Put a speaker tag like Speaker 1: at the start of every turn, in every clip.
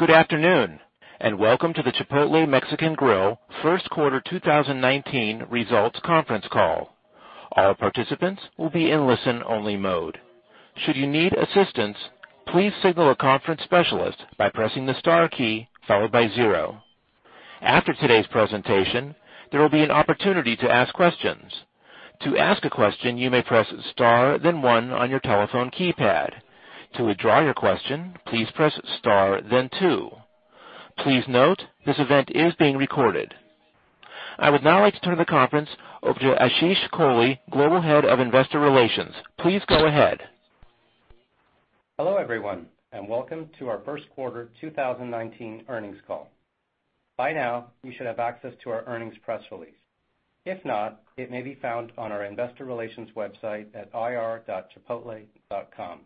Speaker 1: Good afternoon, and welcome to the Chipotle Mexican Grill First Quarter 2019 Results Conference Call. All participants will be in listen-only mode. Should you need assistance, please signal a conference specialist by pressing the star key followed by 0. After today's presentation, there will be an opportunity to ask questions. To ask a question, you may press star then 1 on your telephone keypad. To withdraw your question, please press star, then 2. Please note, this event is being recorded. I would now like to turn the conference over to Ashish Kohli, Global Head of Investor Relations. Please go ahead.
Speaker 2: Hello, everyone, and welcome to our first quarter 2019 earnings call. By now, you should have access to our earnings press release. If not, it may be found on our investor relations website at ir.chipotle.com.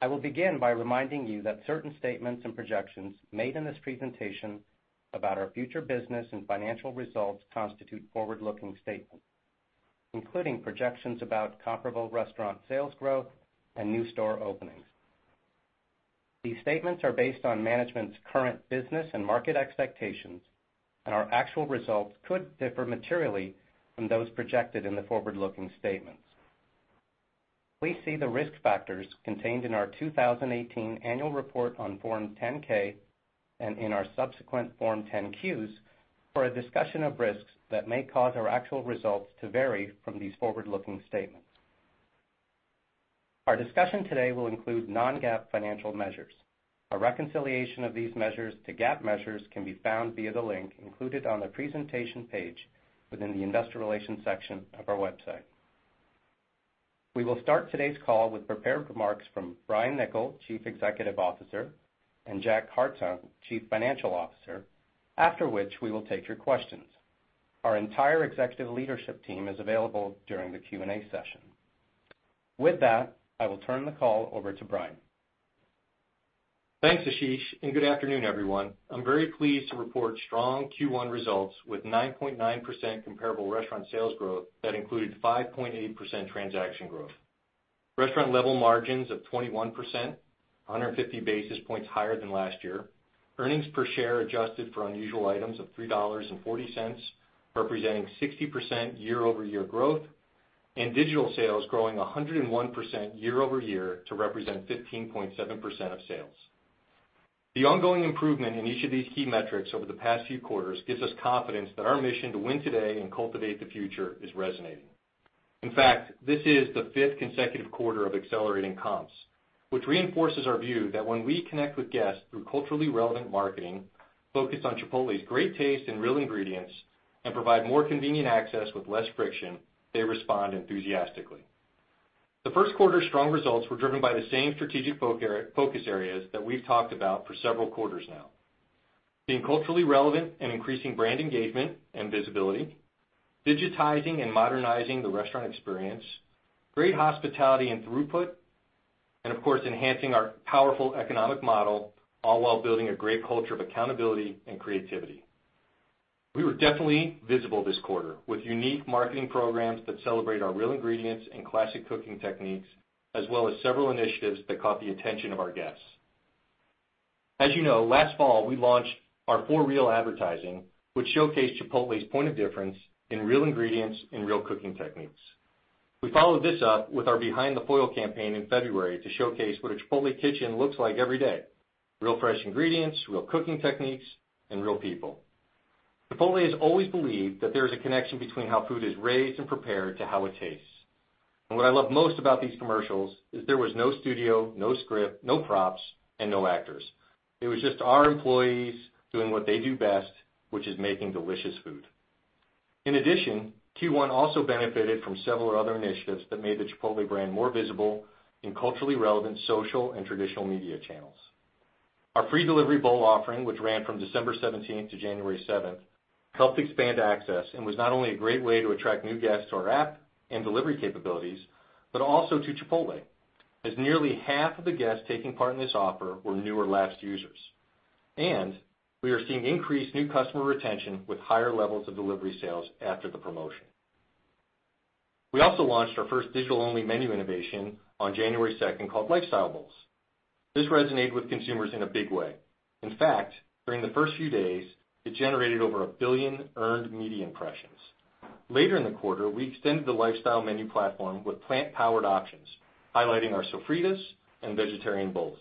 Speaker 2: I will begin by reminding you that certain statements and projections made in this presentation about our future business and financial results constitute forward-looking statements, including projections about comparable restaurant sales growth and new store openings. These statements are based on management's current business and market expectations, and our actual results could differ materially from those projected in the forward-looking statements. Please see the risk factors contained in our 2018 annual report on Form 10-K and in our subsequent Form 10-Qs for a discussion of risks that may cause our actual results to vary from these forward-looking statements. Our discussion today will include non-GAAP financial measures. A reconciliation of these measures to GAAP measures can be found via the link included on the presentation page within the investor relations section of our website. We will start today's call with prepared remarks from Brian Niccol, Chief Executive Officer, and Jack Hartung, Chief Financial Officer, after which we will take your questions. Our entire executive leadership team is available during the Q&A session. With that, I will turn the call over to Brian.
Speaker 3: Thanks, Ashish, and good afternoon, everyone. I'm very pleased to report strong Q1 results with 9.9% comparable restaurant sales growth that included 5.8% transaction growth. Restaurant level margins of 21%, 150 basis points higher than last year. Earnings per share adjusted for unusual items of $3.40, representing 60% year-over-year growth, and digital sales growing 101% year-over-year to represent 15.7% of sales. The ongoing improvement in each of these key metrics over the past few quarters gives us confidence that our mission to win today and cultivate the future is resonating. In fact, this is the fifth consecutive quarter of accelerating comps, which reinforces our view that when we connect with guests through culturally relevant marketing focused on Chipotle's great taste and real ingredients and provide more convenient access with less friction, they respond enthusiastically. The first quarter strong results were driven by the same strategic focus areas that we've talked about for several quarters now. Being culturally relevant and increasing brand engagement and visibility, digitizing and modernizing the restaurant experience, great hospitality and throughput, and of course, enhancing our powerful economic model, all while building a great culture of accountability and creativity. We were definitely visible this quarter with unique marketing programs that celebrate our real ingredients and classic cooking techniques, as well as several initiatives that caught the attention of our guests. As you know, last fall, we launched our For Real advertising, which showcased Chipotle's point of difference in real ingredients and real cooking techniques. We followed this up with our Behind the Foil campaign in February to showcase what a Chipotle kitchen looks like every day, real fresh ingredients, real cooking techniques, and real people. Chipotle has always believed that there is a connection between how food is raised and prepared to how it tastes. What I love most about these commercials is there was no studio, no script, no props, and no actors. It was just our employees doing what they do best, which is making delicious food. In addition, Q1 also benefited from several other initiatives that made the Chipotle brand more visible in culturally relevant social and traditional media channels. Our free delivery bowl offering, which ran from December 17th to January 7th, helped expand access and was not only a great way to attract new guests to our app and delivery capabilities, but also to Chipotle, as nearly half of the guests taking part in this offer were new or lapsed users. We are seeing increased new customer retention with higher levels of delivery sales after the promotion. We also launched our first digital-only menu innovation on January 2nd called Lifestyle Bowls. This resonated with consumers in a big way. In fact, during the first few days, it generated over 1 billion earned media impressions. Later in the quarter, we extended the lifestyle menu platform with plant-powered options, highlighting our Sofritas and vegetarian bowls.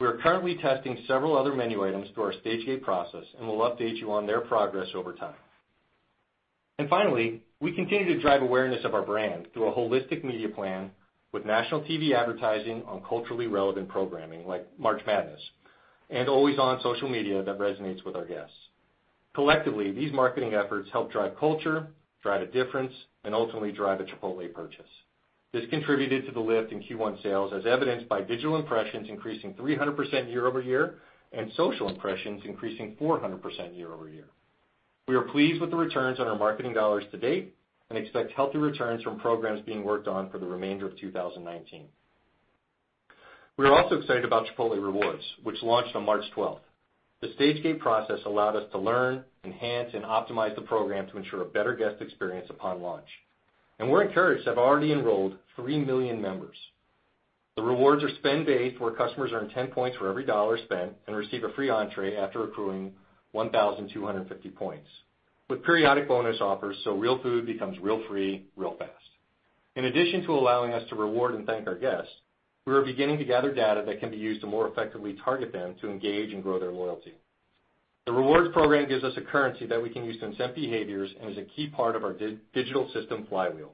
Speaker 3: We are currently testing several other menu items through our stage gate process and will update you on their progress over time. Finally, we continue to drive awareness of our brand through a holistic media plan with national TV advertising on culturally relevant programming like March Madness and always on social media that resonates with our guests. Collectively, these marketing efforts help drive culture, drive a difference, and ultimately drive a Chipotle purchase. This contributed to the lift in Q1 sales, as evidenced by digital impressions increasing 300% year-over-year and social impressions increasing 400% year-over-year. We are pleased with the returns on our marketing dollars to date and expect healthy returns from programs being worked on for the remainder of 2019. We are also excited about Chipotle Rewards, which launched on March 12th. The stage gate process allowed us to learn, enhance, and optimize the program to ensure a better guest experience upon launch. We're encouraged to have already enrolled 3 million members. The rewards are spend-based, where customers earn 10 points for every dollar spent and receive a free entrée after accruing 1,250 points, with periodic bonus offers, real food becomes real free, real fast. In addition to allowing us to reward and thank our guests, we are beginning to gather data that can be used to more effectively target them to engage and grow their loyalty. The rewards program gives us a currency that we can use to incent behaviors and is a key part of our digital system flywheel.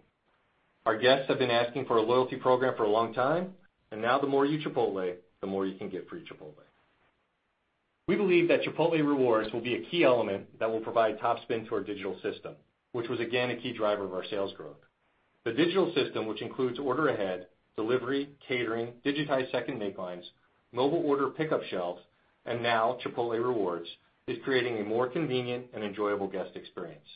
Speaker 3: Our guests have been asking for a loyalty program for a long time, and now the more you Chipotle, the more you can get free Chipotle. We believe that Chipotle Rewards will be a key element that will provide top spend to our digital system, which was, again, a key driver of our sales growth. The digital system, which includes order ahead, delivery, catering, digitized second make lines, mobile order pickup shelves, and now Chipotle Rewards, is creating a more convenient and enjoyable guest experience,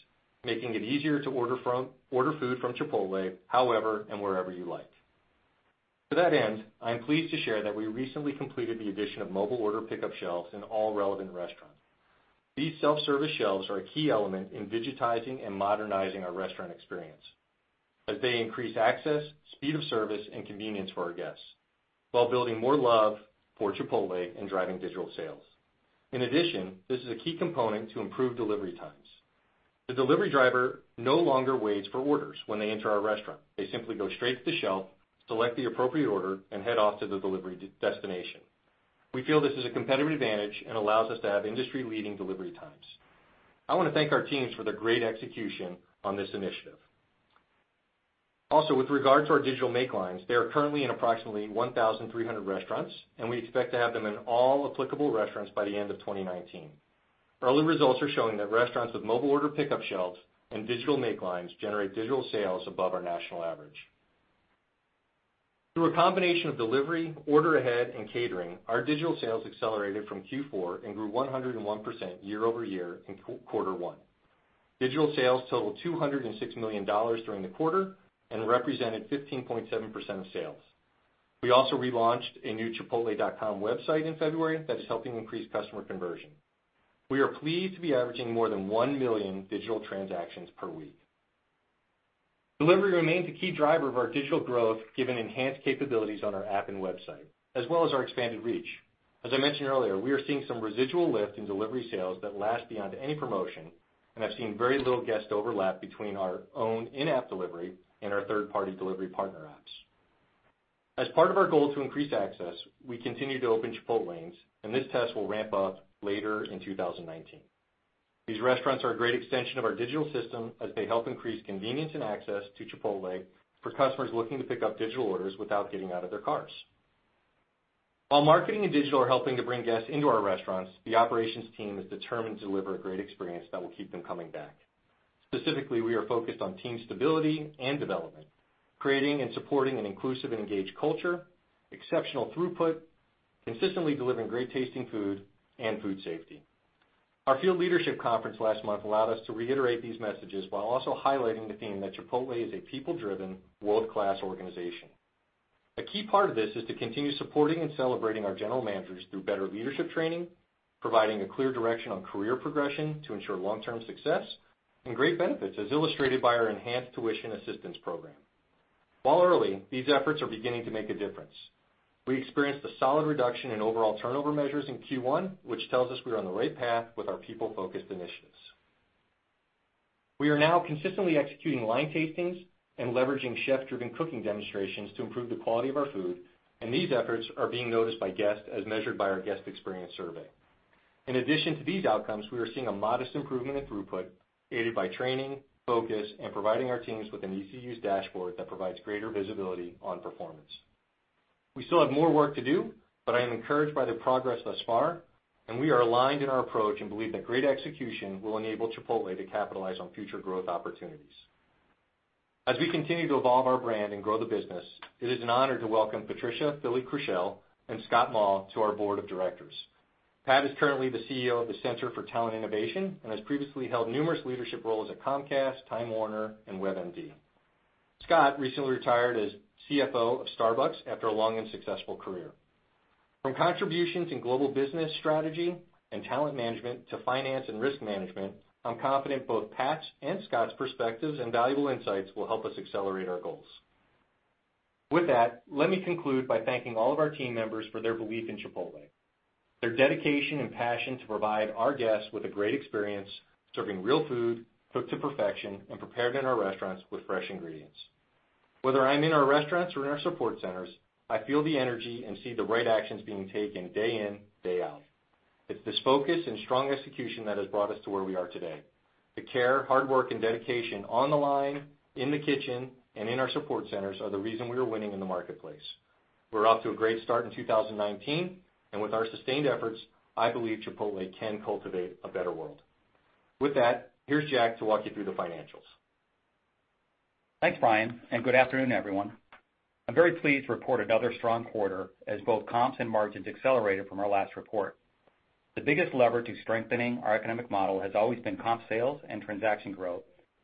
Speaker 3: making it easier to order food from Chipotle however and wherever you like. To that end, I am pleased to share that we recently completed the addition of mobile order pickup shelves in all relevant restaurants. These self-service shelves are a key element in digitizing and modernizing our restaurant experience, as they increase access, speed of service, and convenience for our guests while building more love for Chipotle and driving digital sales. In addition, this is a key component to improve delivery times. The delivery driver no longer waits for orders when they enter our restaurant. They simply go straight to the shelf, select the appropriate order, and head off to the delivery destination. We feel this is a competitive advantage and allows us to have industry-leading delivery times. I want to thank our teams for their great execution on this initiative. Also, with regard to our digital make lines, they are currently in approximately 1,300 restaurants, and we expect to have them in all applicable restaurants by the end of 2019. Early results are showing that restaurants with mobile order pickup shelves and digital make lines generate digital sales above our national average. Through a combination of delivery, order ahead, and catering, our digital sales accelerated from Q4 and grew 101% year-over-year in quarter one. Digital sales totaled $206 million during the quarter and represented 15.7% of sales. We also relaunched a new chipotle.com website in February that is helping increase customer conversion. We are pleased to be averaging more than 1 million digital transactions per week. Delivery remains a key driver of our digital growth, given enhanced capabilities on our app and website, as well as our expanded reach. As I mentioned earlier, we are seeing some residual lift in delivery sales that last beyond any promotion, and I've seen very little guest overlap between our own in-app delivery and our third-party delivery partner apps. As part of our goal to increase access, we continue to open Chipotlanes, and this test will ramp up later in 2019. These restaurants are a great extension of our digital system as they help increase convenience and access to Chipotle for customers looking to pick up digital orders without getting out of their cars. Marketing and digital are helping to bring guests into our restaurants, the operations team is determined to deliver a great experience that will keep them coming back. Specifically, we are focused on team stability and development, creating and supporting an inclusive and engaged culture, exceptional throughput, consistently delivering great-tasting food, and food safety. Our field leadership conference last month allowed us to reiterate these messages while also highlighting the theme that Chipotle is a people-driven, world-class organization. A key part of this is to continue supporting and celebrating our general managers through better leadership training, providing a clear direction on career progression to ensure long-term success, and great benefits, as illustrated by our enhanced tuition assistance program. While early, these efforts are beginning to make a difference. We experienced a solid reduction in overall turnover measures in Q1, which tells us we are on the right path with our people-focused initiatives. We are now consistently executing line tastings and leveraging chef-driven cooking demonstrations to improve the quality of our food. These efforts are being noticed by guests as measured by our guest experience survey. In addition to these outcomes, we are seeing a modest improvement in throughput, aided by training, focus, and providing our teams with an easy-to-use dashboard that provides greater visibility on performance. We still have more work to do. I am encouraged by the progress thus far. We are aligned in our approach and believe that great execution will enable Chipotle to capitalize on future growth opportunities. As we continue to evolve our brand and grow the business, it is an honor to welcome Patricia Fili-Krushel and Scott Maw to our board of directors. Pat is currently the CEO of the Center for Talent Innovation and has previously held numerous leadership roles at Comcast, Time Warner, and WebMD. Scott recently retired as CFO of Starbucks after a long and successful career. From contributions in global business strategy and talent management to finance and risk management, I'm confident both Pat's and Scott's perspectives and valuable insights will help us accelerate our goals. With that, let me conclude by thanking all of our team members for their belief in Chipotle, their dedication and passion to provide our guests with a great experience, serving real food cooked to perfection and prepared in our restaurants with fresh ingredients. Whether I'm in our restaurants or in our support centers, I feel the energy and see the right actions being taken day in, day out. It's this focus and strong execution that has brought us to where we are today. The care, hard work, and dedication on the line, in the kitchen, and in our support centers are the reason we are winning in the marketplace. We're off to a great start in 2019. With our sustained efforts, I believe Chipotle can cultivate a better world. With that, here's Jack to walk you through the financials.
Speaker 4: Thanks, Brian, and good afternoon, everyone. I'm very pleased to report another strong quarter as both comps and margins accelerated from our last report. The biggest lever to strengthening our economic model has always been comp sales and transaction growth.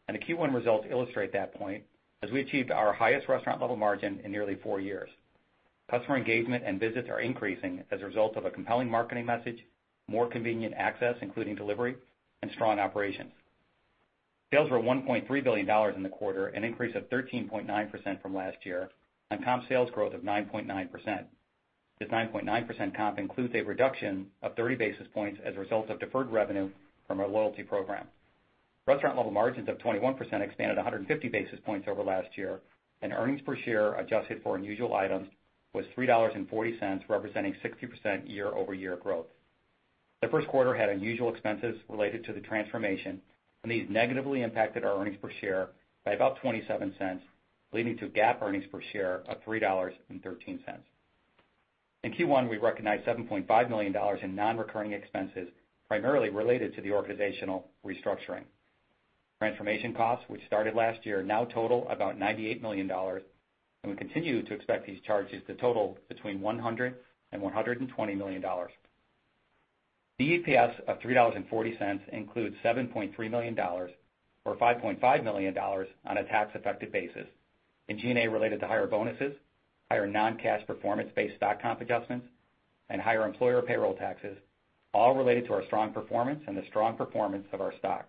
Speaker 4: The Q1 results illustrate that point, as we achieved our highest restaurant level margin in nearly four years. Customer engagement and visits are increasing as a result of a compelling marketing message, more convenient access, including delivery and strong operations. Sales were $1.3 billion in the quarter, an increase of 13.9% from last year, on comp sales growth of 9.9%. This 9.9% comp includes a reduction of 30 basis points as a result of deferred revenue from our loyalty program. Restaurant level margins of 21% expanded 150 basis points over last year, and earnings per share adjusted for unusual items was $3.40, representing 60% year-over-year growth. The first quarter had unusual expenses related to the transformation, and these negatively impacted our earnings per share by about $0.27, leading to GAAP earnings per share of $3.13. In Q1, we recognized $7.5 million in non-recurring expenses, primarily related to the organizational restructuring. Transformation costs, which started last year, now total about $98 million, and we continue to expect these charges to total between $100 million and $120 million. The EPS of $3.40 includes $7.3 million or $5.5 million on a tax-effective basis in G&A related to higher bonuses, higher non-cash performance-based stock comp adjustments, and higher employer payroll taxes, all related to our strong performance and the strong performance of our stock.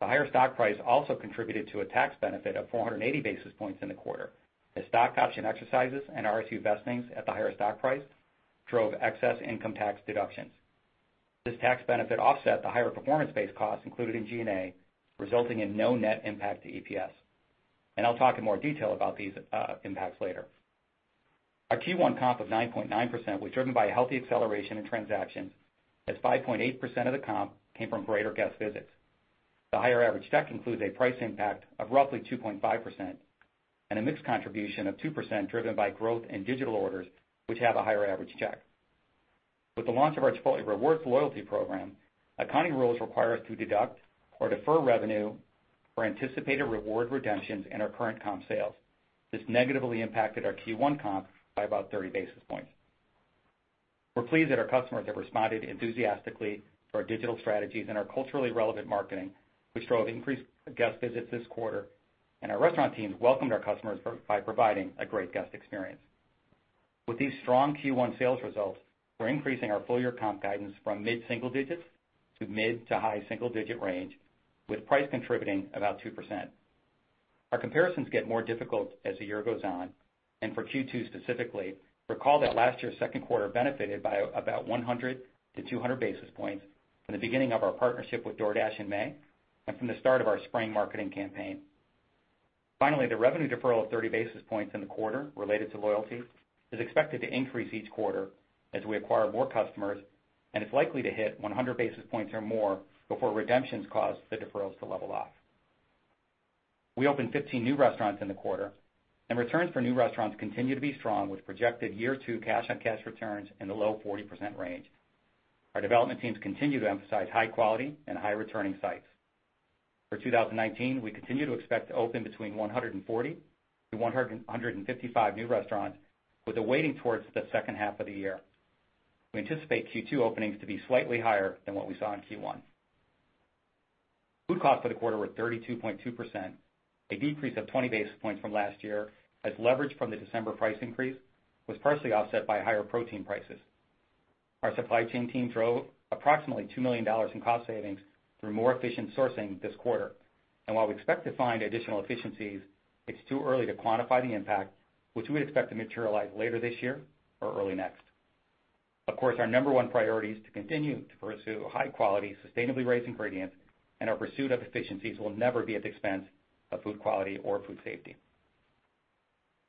Speaker 4: The higher stock price also contributed to a tax benefit of 480 basis points in the quarter, as stock option exercises and RSU vestings at the higher stock price drove excess income tax deductions. This tax benefit offset the higher performance-based costs included in G&A, resulting in no net impact to EPS. I'll talk in more detail about these impacts later. Our Q1 comp of 9.9% was driven by a healthy acceleration in transactions, as 5.8% of the comp came from greater guest visits. The higher average check includes a price impact of roughly 2.5% and a mix contribution of 2% driven by growth in digital orders, which have a higher average check. With the launch of our Chipotle Rewards loyalty program, accounting rules require us to deduct or defer revenue for anticipated reward redemptions in our current comp sales. This negatively impacted our Q1 comp by about 30 basis points. We're pleased that our customers have responded enthusiastically to our digital strategies and our culturally relevant marketing, which drove increased guest visits this quarter, and our restaurant teams welcomed our customers by providing a great guest experience. With these strong Q1 sales results, we're increasing our full-year comp guidance from mid-single digits to mid-to-high single digit range, with price contributing about 2%. Our comparisons get more difficult as the year goes on, and for Q2 specifically, recall that last year's second quarter benefited by about 100 basis points to 200 basis points from the beginning of our partnership with DoorDash in May and from the start of our spring marketing campaign. The revenue deferral of 30 basis points in the quarter related to loyalty is expected to increase each quarter as we acquire more customers, and it's likely to hit 100 basis points or more before redemptions cause the deferrals to level off. We opened 15 new restaurants in the quarter, and returns for new restaurants continue to be strong with projected year 2 cash on cash returns in the low 40% range. Our development teams continue to emphasize high quality and high returning sites. For 2019, we continue to expect to open between 140-155 new restaurants, with a weighting towards the second half of the year. We anticipate Q2 openings to be slightly higher than what we saw in Q1. Food costs for the quarter were 32.2%, a decrease of 20 basis points from last year, as leverage from the December price increase was partially offset by higher protein prices. While we expect to find additional efficiencies, it's too early to quantify the impact, which we'd expect to materialize later this year or early next. Of course, our number 1 priority is to continue to pursue high-quality, sustainably raised ingredients, and our pursuit of efficiencies will never be at the expense of food quality or food safety.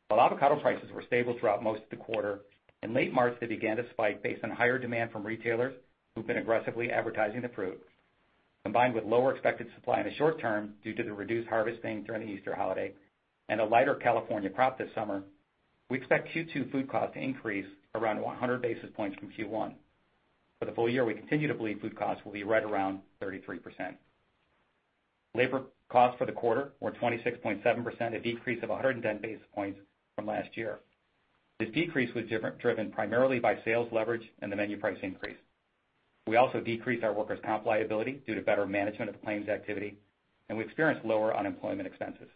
Speaker 4: While avocado prices were stable throughout most of the quarter, in late March, they began to spike based on higher demand from retailers who've been aggressively advertising the fruit. Combined with lower expected supply in the short term due to the reduced harvesting during the Easter holiday and a lighter California crop this summer, we expect Q2 food costs to increase around 100 basis points from Q1. For the full year, we continue to believe food costs will be right around 33%. Labor costs for the quarter were 26.7%, a decrease of 110 basis points from last year. This decrease was driven primarily by sales leverage and the menu price increase. We also decreased our workers' comp liability due to better management of claims activity, and we experienced lower unemployment expenses.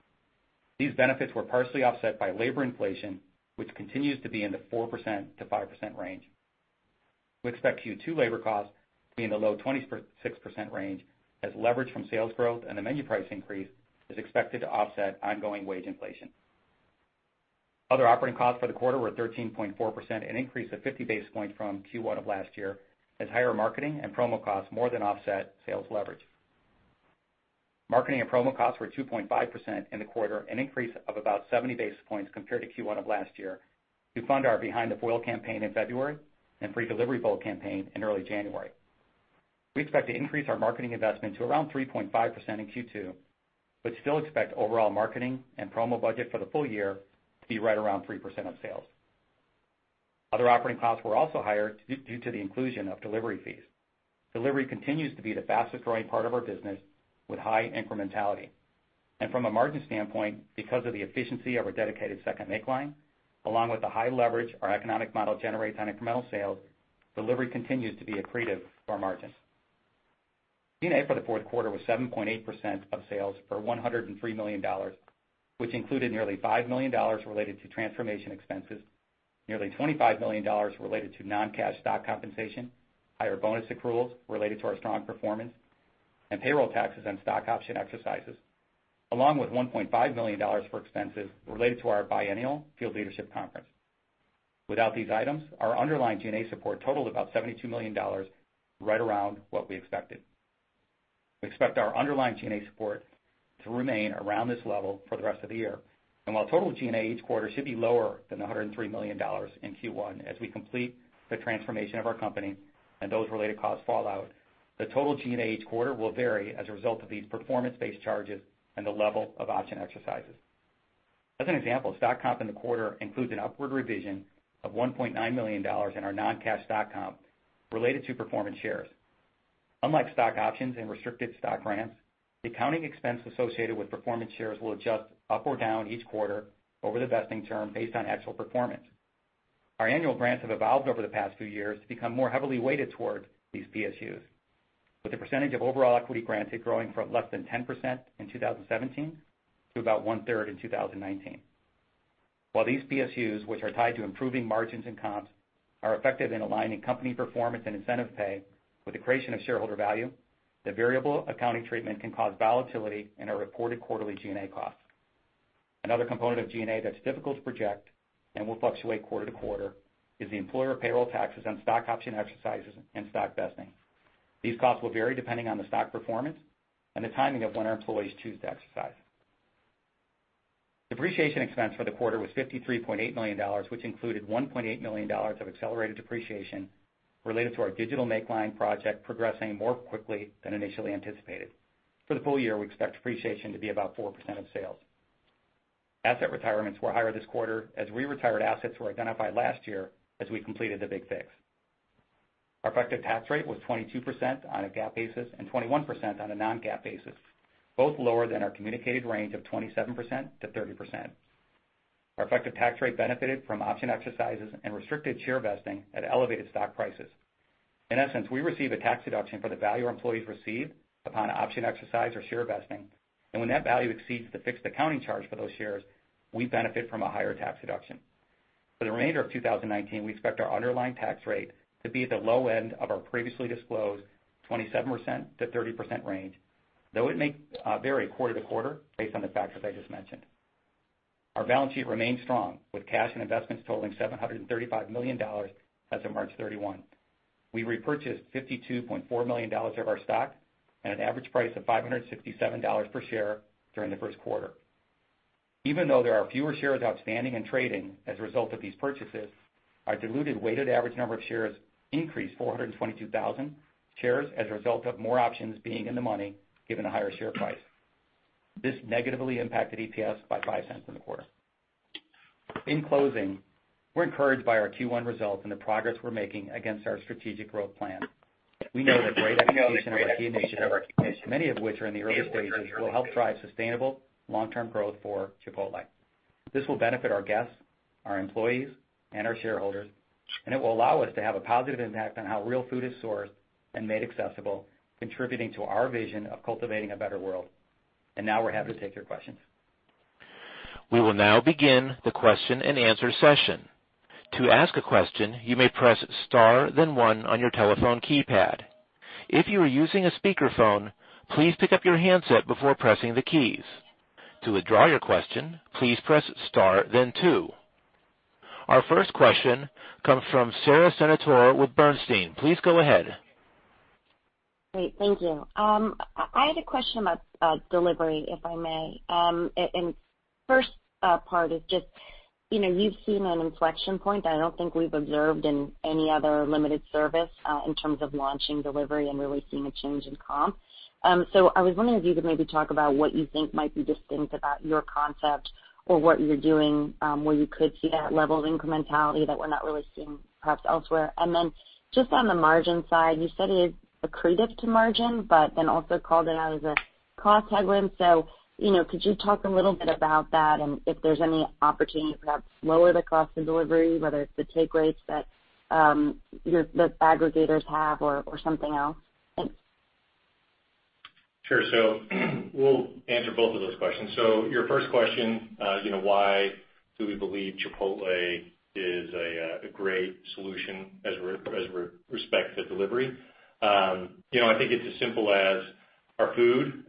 Speaker 4: These benefits were partially offset by labor inflation, which continues to be in the 4%-5% range. We expect Q2 labor costs to be in the low 26% range as leverage from sales growth and the menu price increase is expected to offset ongoing wage inflation. Other operating costs for the quarter were 13.4%, an increase of 50 basis points from Q1 of last year, as higher marketing and promo costs more than offset sales leverage. Marketing and promo costs were 2.5% in the quarter, an increase of about 70 basis points compared to Q1 of last year to fund our Behind the Foil campaign in February and free delivery bowl campaign in early January. We expect to increase our marketing investment to around 3.5% in Q2, still expect overall marketing and promo budget for the full year to be right around 3% of sales. Other operating costs were also higher due to the inclusion of delivery fees. Delivery continues to be the fastest growing part of our business, with high incrementality. From a margin standpoint, because of the efficiency of our dedicated second make line, along with the high leverage our economic model generates on incremental sales, delivery continues to be accretive to our margins. G&A for the first quarter was 7.8% of sales for $103 million, which included nearly $5 million related to transformation expenses, nearly $25 million related to non-cash stock compensation, higher bonus accruals related to our strong performance, and payroll taxes and stock option exercises, along with $1.5 million for expenses related to our Biennial Field Leadership Conference. Without these items, our underlying G&A support totaled about $72 million, right around what we expected. We expect our underlying G&A support to remain around this level for the rest of the year. While total G&A each quarter should be lower than the $103 million in Q1 as we complete the transformation of our company and those related costs fall out, the total G&A each quarter will vary as a result of these performance-based charges and the level of option exercises. As an example, stock comp in the quarter includes an upward revision of $1.9 million in our non-cash stock comp related to performance shares. Unlike stock options and restricted stock grants, the accounting expense associated with performance shares will adjust up or down each quarter over the vesting term based on actual performance. Our annual grants have evolved over the past few years to become more heavily weighted toward these PSUs, with the percentage of overall equity granted growing from less than 10% in 2017 to about one-third in 2019. While these PSUs, which are tied to improving margins and comps, are effective in aligning company performance and incentive pay with the creation of shareholder value, the variable accounting treatment can cause volatility in our reported quarterly G&A costs. Another component of G&A that's difficult to project and will fluctuate quarter to quarter is the employer payroll taxes on stock option exercises and stock vesting. These costs will vary depending on the stock performance and the timing of when our employees choose to exercise. Depreciation expense for the quarter was $53.8 million, which included $1.8 million of accelerated depreciation related to our Digital Makeline Project progressing more quickly than initially anticipated. For the full year, we expect depreciation to be about 4% of sales. Asset retirements were higher this quarter as we retired assets were identified last year as we completed the big fix. Our effective tax rate was 22% on a GAAP basis and 21% on a non-GAAP basis, both lower than our communicated range of 27% to 30%. Our effective tax rate benefited from option exercises and restricted share vesting at elevated stock prices. In essence, we receive a tax deduction for the value our employees receive upon option exercise or share vesting, and when that value exceeds the fixed accounting charge for those shares, we benefit from a higher tax deduction. For the remainder of 2019, we expect our underlying tax rate to be at the low end of our previously disclosed 27% to 30% range, though it may vary quarter to quarter based on the factors I just mentioned. Our balance sheet remains strong, with cash and investments totaling $735 million as of March 31. We repurchased $52.4 million of our stock at an average price of $567 per share during the first quarter. Even though there are fewer shares outstanding in trading as a result of these purchases, our diluted weighted average number of shares increased 422,000 shares as a result of more options being in the money, given the higher share price. This negatively impacted EPS by $0.05 in the quarter. In closing, we're encouraged by our Q1 results and the progress we're making against our strategic growth plan. We know the great expectation of our key initiatives, many of which are in the early stages, will help drive sustainable long-term growth for Chipotle. This will benefit our guests, our employees, and our shareholders. It will allow us to have a positive impact on how real food is sourced and made accessible, contributing to our vision of cultivating a better world. Now we're happy to take your questions.
Speaker 1: We will now begin the question and answer session. To ask a question, you may press star then one on your telephone keypad. If you are using a speakerphone, please pick up your handset before pressing the keys. To withdraw your question, please press star then two. Our first question comes from Sara Senatore with Bernstein. Please go ahead.
Speaker 5: Great. Thank you. I had a question about delivery, if I may. First part is just, you've seen an inflection point that I don't think we've observed in any other limited service in terms of launching delivery and really seeing a change in comp. I was wondering if you could maybe talk about what you think might be distinct about your concept or what you're doing, where you could see that level of incrementality that we're not really seeing perhaps elsewhere. Just on the margin side, you said it is accretive to margin, also called it out as a cost headwind. Could you talk a little bit about that and if there's any opportunity to perhaps lower the cost of delivery, whether it's the take rates that the aggregators have or something else? Thanks.
Speaker 3: We'll answer both of those questions. Your first question, why do we believe Chipotle is a great solution as it respects to delivery? I think it's as simple as our food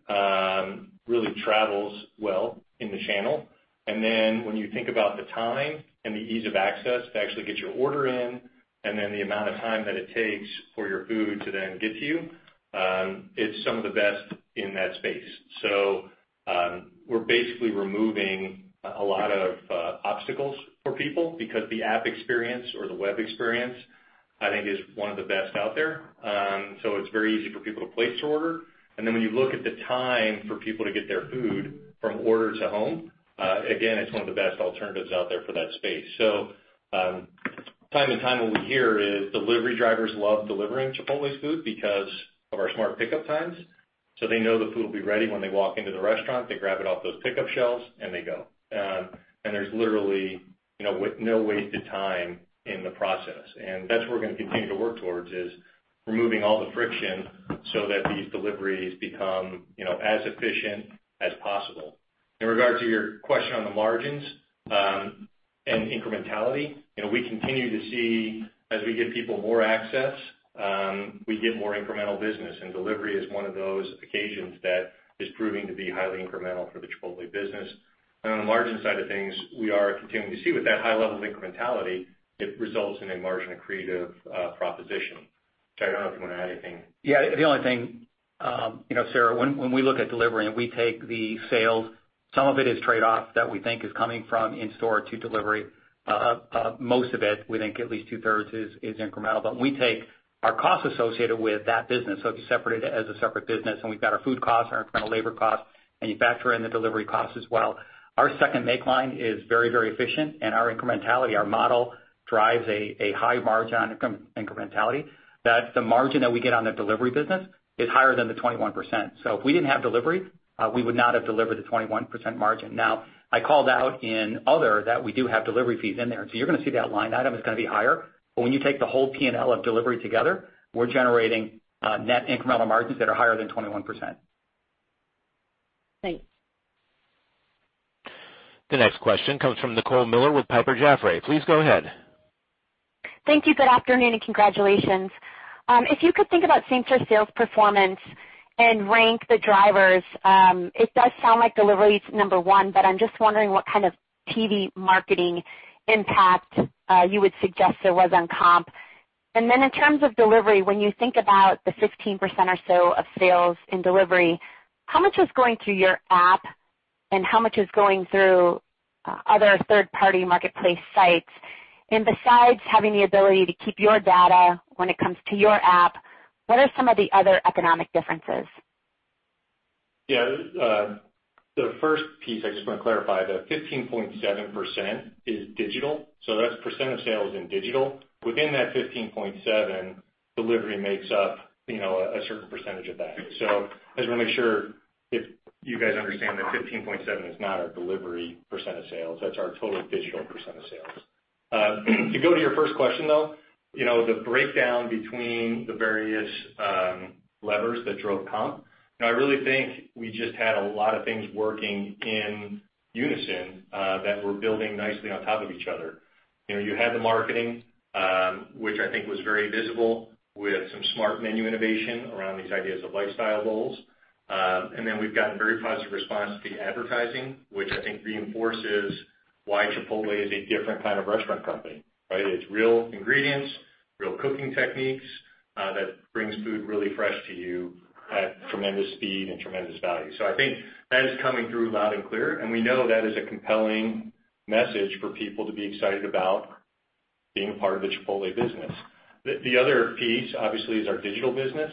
Speaker 3: really travels well in the channel. When you think about the time and the ease of access to actually get your order in, and then the amount of time that it takes for your food to then get to you, it's some of the best in that space. We're basically removing a lot of obstacles for people because the app experience or the web experience, I think, is one of the best out there. It's very easy for people to place their order. When you look at the time for people to get their food from order to home, again, it's one of the best alternatives out there for that space. Time and time what we hear is delivery drivers love delivering Chipotle food because of our smart pickup times. They know the food will be ready when they walk into the restaurant, they grab it off those pickup shelves, and they go. There's literally no wasted time in the process. That's what we're going to continue to work towards is removing all the friction so that these deliveries become as efficient as possible. In regard to your question on the margins and incrementality, we continue to see as we give people more access, we get more incremental business, and delivery is one of those occasions that is proving to be highly incremental for the Chipotle business. On the margin side of things, we are continuing to see with that high level of incrementality, it results in a margin-accretive proposition. Jack, I don't know if you want to add anything.
Speaker 4: Yeah. The only thing, Sara, when we look at delivery and we take the sales, some of it is trade-off that we think is coming from in-store to delivery. Most of it, we think at least two-thirds is incremental. We take our costs associated with that business, so if you separate it as a separate business, we've got our food costs, our incremental labor costs, and you factor in the delivery costs as well. Our second make line is very efficient and our incrementality, our model drives a high margin on incrementality, that the margin that we get on the delivery business is higher than the 21%. If we didn't have delivery, we would not have delivered the 21% margin. I called out in other that we do have delivery fees in there. You're going to see that line item is going to be higher, but when you take the whole P&L of delivery together, we're generating net incremental margins that are higher than 21%.
Speaker 5: Thanks.
Speaker 1: The next question comes from Nicole Miller with Piper Jaffray. Please go ahead.
Speaker 6: Thank you. Good afternoon and congratulations. If you could think about same-store sales performance and rank the drivers, it does sound like delivery is number one, but I'm just wondering what kind of TV marketing impact you would suggest there was on comp. In terms of delivery, when you think about the 15% or so of sales in delivery, how much is going through your app and how much is going through other third-party marketplace sites? Besides having the ability to keep your data when it comes to your app, what are some of the other economic differences?
Speaker 3: The first piece, I just want to clarify, the 15.7% is digital. That's percent of sales in digital. Within that 15.7, delivery makes up a certain percentage of that. I just want to make sure if you guys understand that 15.7 is not our delivery percent of sales, that's our total digital percent of sales. To go to your first question, though, the breakdown between the various levers that drove comp, I really think we just had a lot of things working in unison that we're building nicely on top of each other. You had the marketing, which I think was very visible. We had some smart menu innovation around these ideas of Lifestyle Bowls. Then we've gotten very positive response to the advertising, which I think reinforces why Chipotle is a different kind of restaurant company, right? It's real ingredients, real cooking techniques that brings food really fresh to you at tremendous speed and tremendous value. I think that is coming through loud and clear, we know that is a compelling message for people to be excited about being a part of the Chipotle business. The other piece, obviously, is our digital business.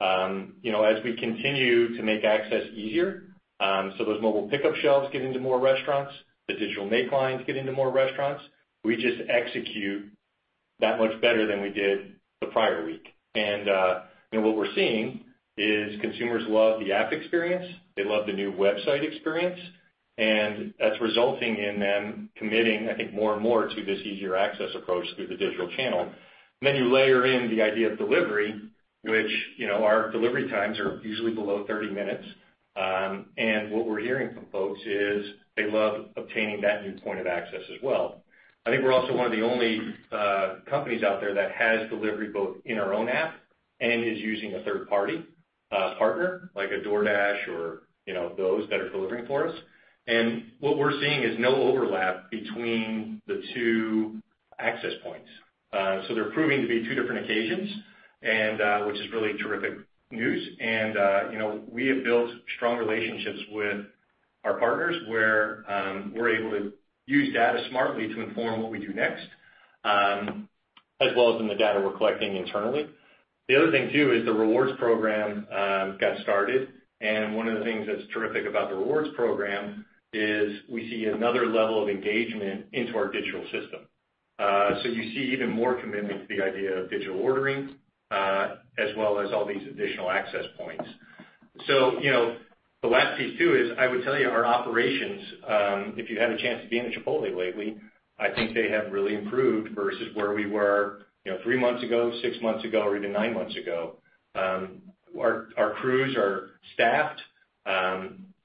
Speaker 3: As we continue to make access easier, those mobile pickup shelves get into more restaurants, the digital make lines get into more restaurants, we just execute that much better than we did the prior week. What we're seeing is consumers love the app experience. They love the new website experience, that's resulting in them committing, I think, more and more to this easier access approach through the digital channel. You layer in the idea of delivery, which our delivery times are usually below 30 minutes. What we're hearing from folks is they love obtaining that new point of access as well. I think we're also one of the only companies out there that has delivery both in our own app and is using a third-party partner, like a DoorDash or those that are delivering for us. What we're seeing is no overlap between the two access points. They're proving to be two different occasions, which is really terrific news. We have built strong relationships with our partners, where we're able to use data smartly to inform what we do next, as well as in the data we're collecting internally. The other thing, too, is the rewards program got started, one of the things that's terrific about the rewards program is we see another level of engagement into our digital system. You see even more commitment to the idea of digital ordering, as well as all these additional access points. The last piece too is I would tell you our operations, if you had a chance to be in a Chipotle lately, I think they have really improved versus where we were three months ago, six months ago or even nine months ago. Our crews are staffed,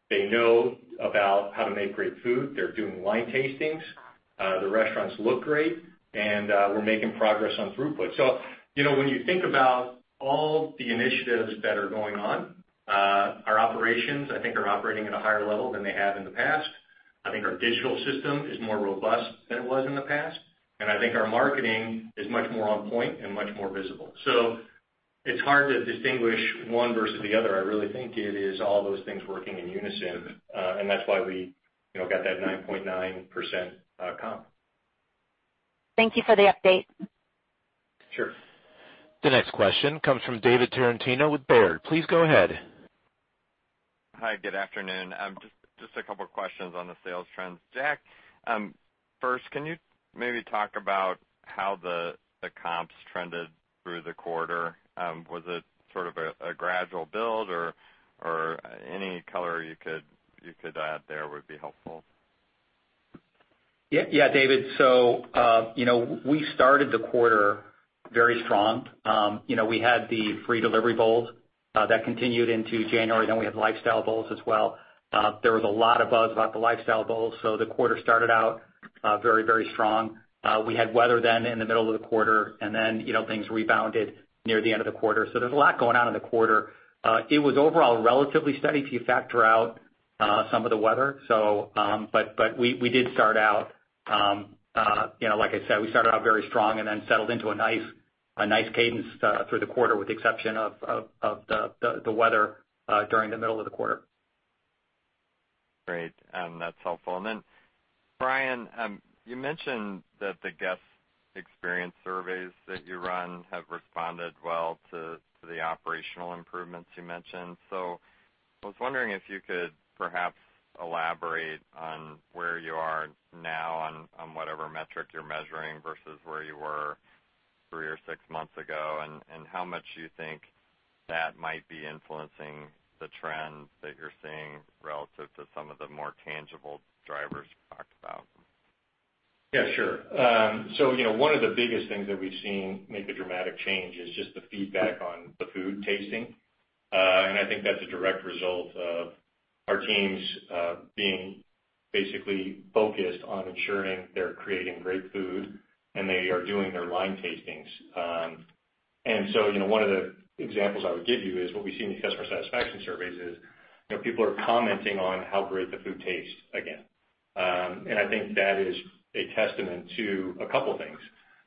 Speaker 3: they know about how to make great food. They're doing line tastings. The restaurants look great, we're making progress on throughput. When you think about all the initiatives that are going on, our operations, I think are operating at a higher level than they have in the past. I think our digital system is more robust than it was in the past, I think our marketing is much more on point and much more visible. It's hard to distinguish one versus the other. I really think it is all those things working in unison, that's why we got that 9.9% comp.
Speaker 6: Thank you for the update.
Speaker 3: Sure.
Speaker 1: The next question comes from David Tarantino with Baird. Please go ahead.
Speaker 7: Hi. Good afternoon. Just a couple of questions on the sales trends. Jack, first, can you maybe talk about how the comps trended through the quarter? Was it sort of a gradual build, or any color you could add there would be helpful.
Speaker 4: Yeah, David. We started the quarter very strong. We had the free delivery bowls that continued into January, then we had Lifestyle Bowls as well. There was a lot of buzz about the Lifestyle Bowls, so the quarter started out very, very strong. We had weather then in the middle of the quarter, and then things rebounded near the end of the quarter. There's a lot going on in the quarter. It was overall relatively steady if you factor out some of the weather. We did start out, like I said, we started out very strong and then settled into a nice cadence through the quarter, with the exception of the weather during the middle of the quarter.
Speaker 7: Great. That's helpful. Brian, you mentioned that the guest experience surveys that you run have responded well to the operational improvements you mentioned. I was wondering if you could perhaps elaborate on where you are now on whatever metric you're measuring versus where you were three or six months ago, and how much you think that might be influencing the trends that you're seeing relative to some of the more tangible drivers you talked about.
Speaker 3: Yeah, sure. One of the biggest things that we've seen make a dramatic change is just the feedback on the food tasting. I think that's a direct result of our teams being basically focused on ensuring they're creating great food and they are doing their line tastings. One of the examples I would give you is what we see in the customer satisfaction surveys is, people are commenting on how great the food tastes again. I think that is a testament to a couple things.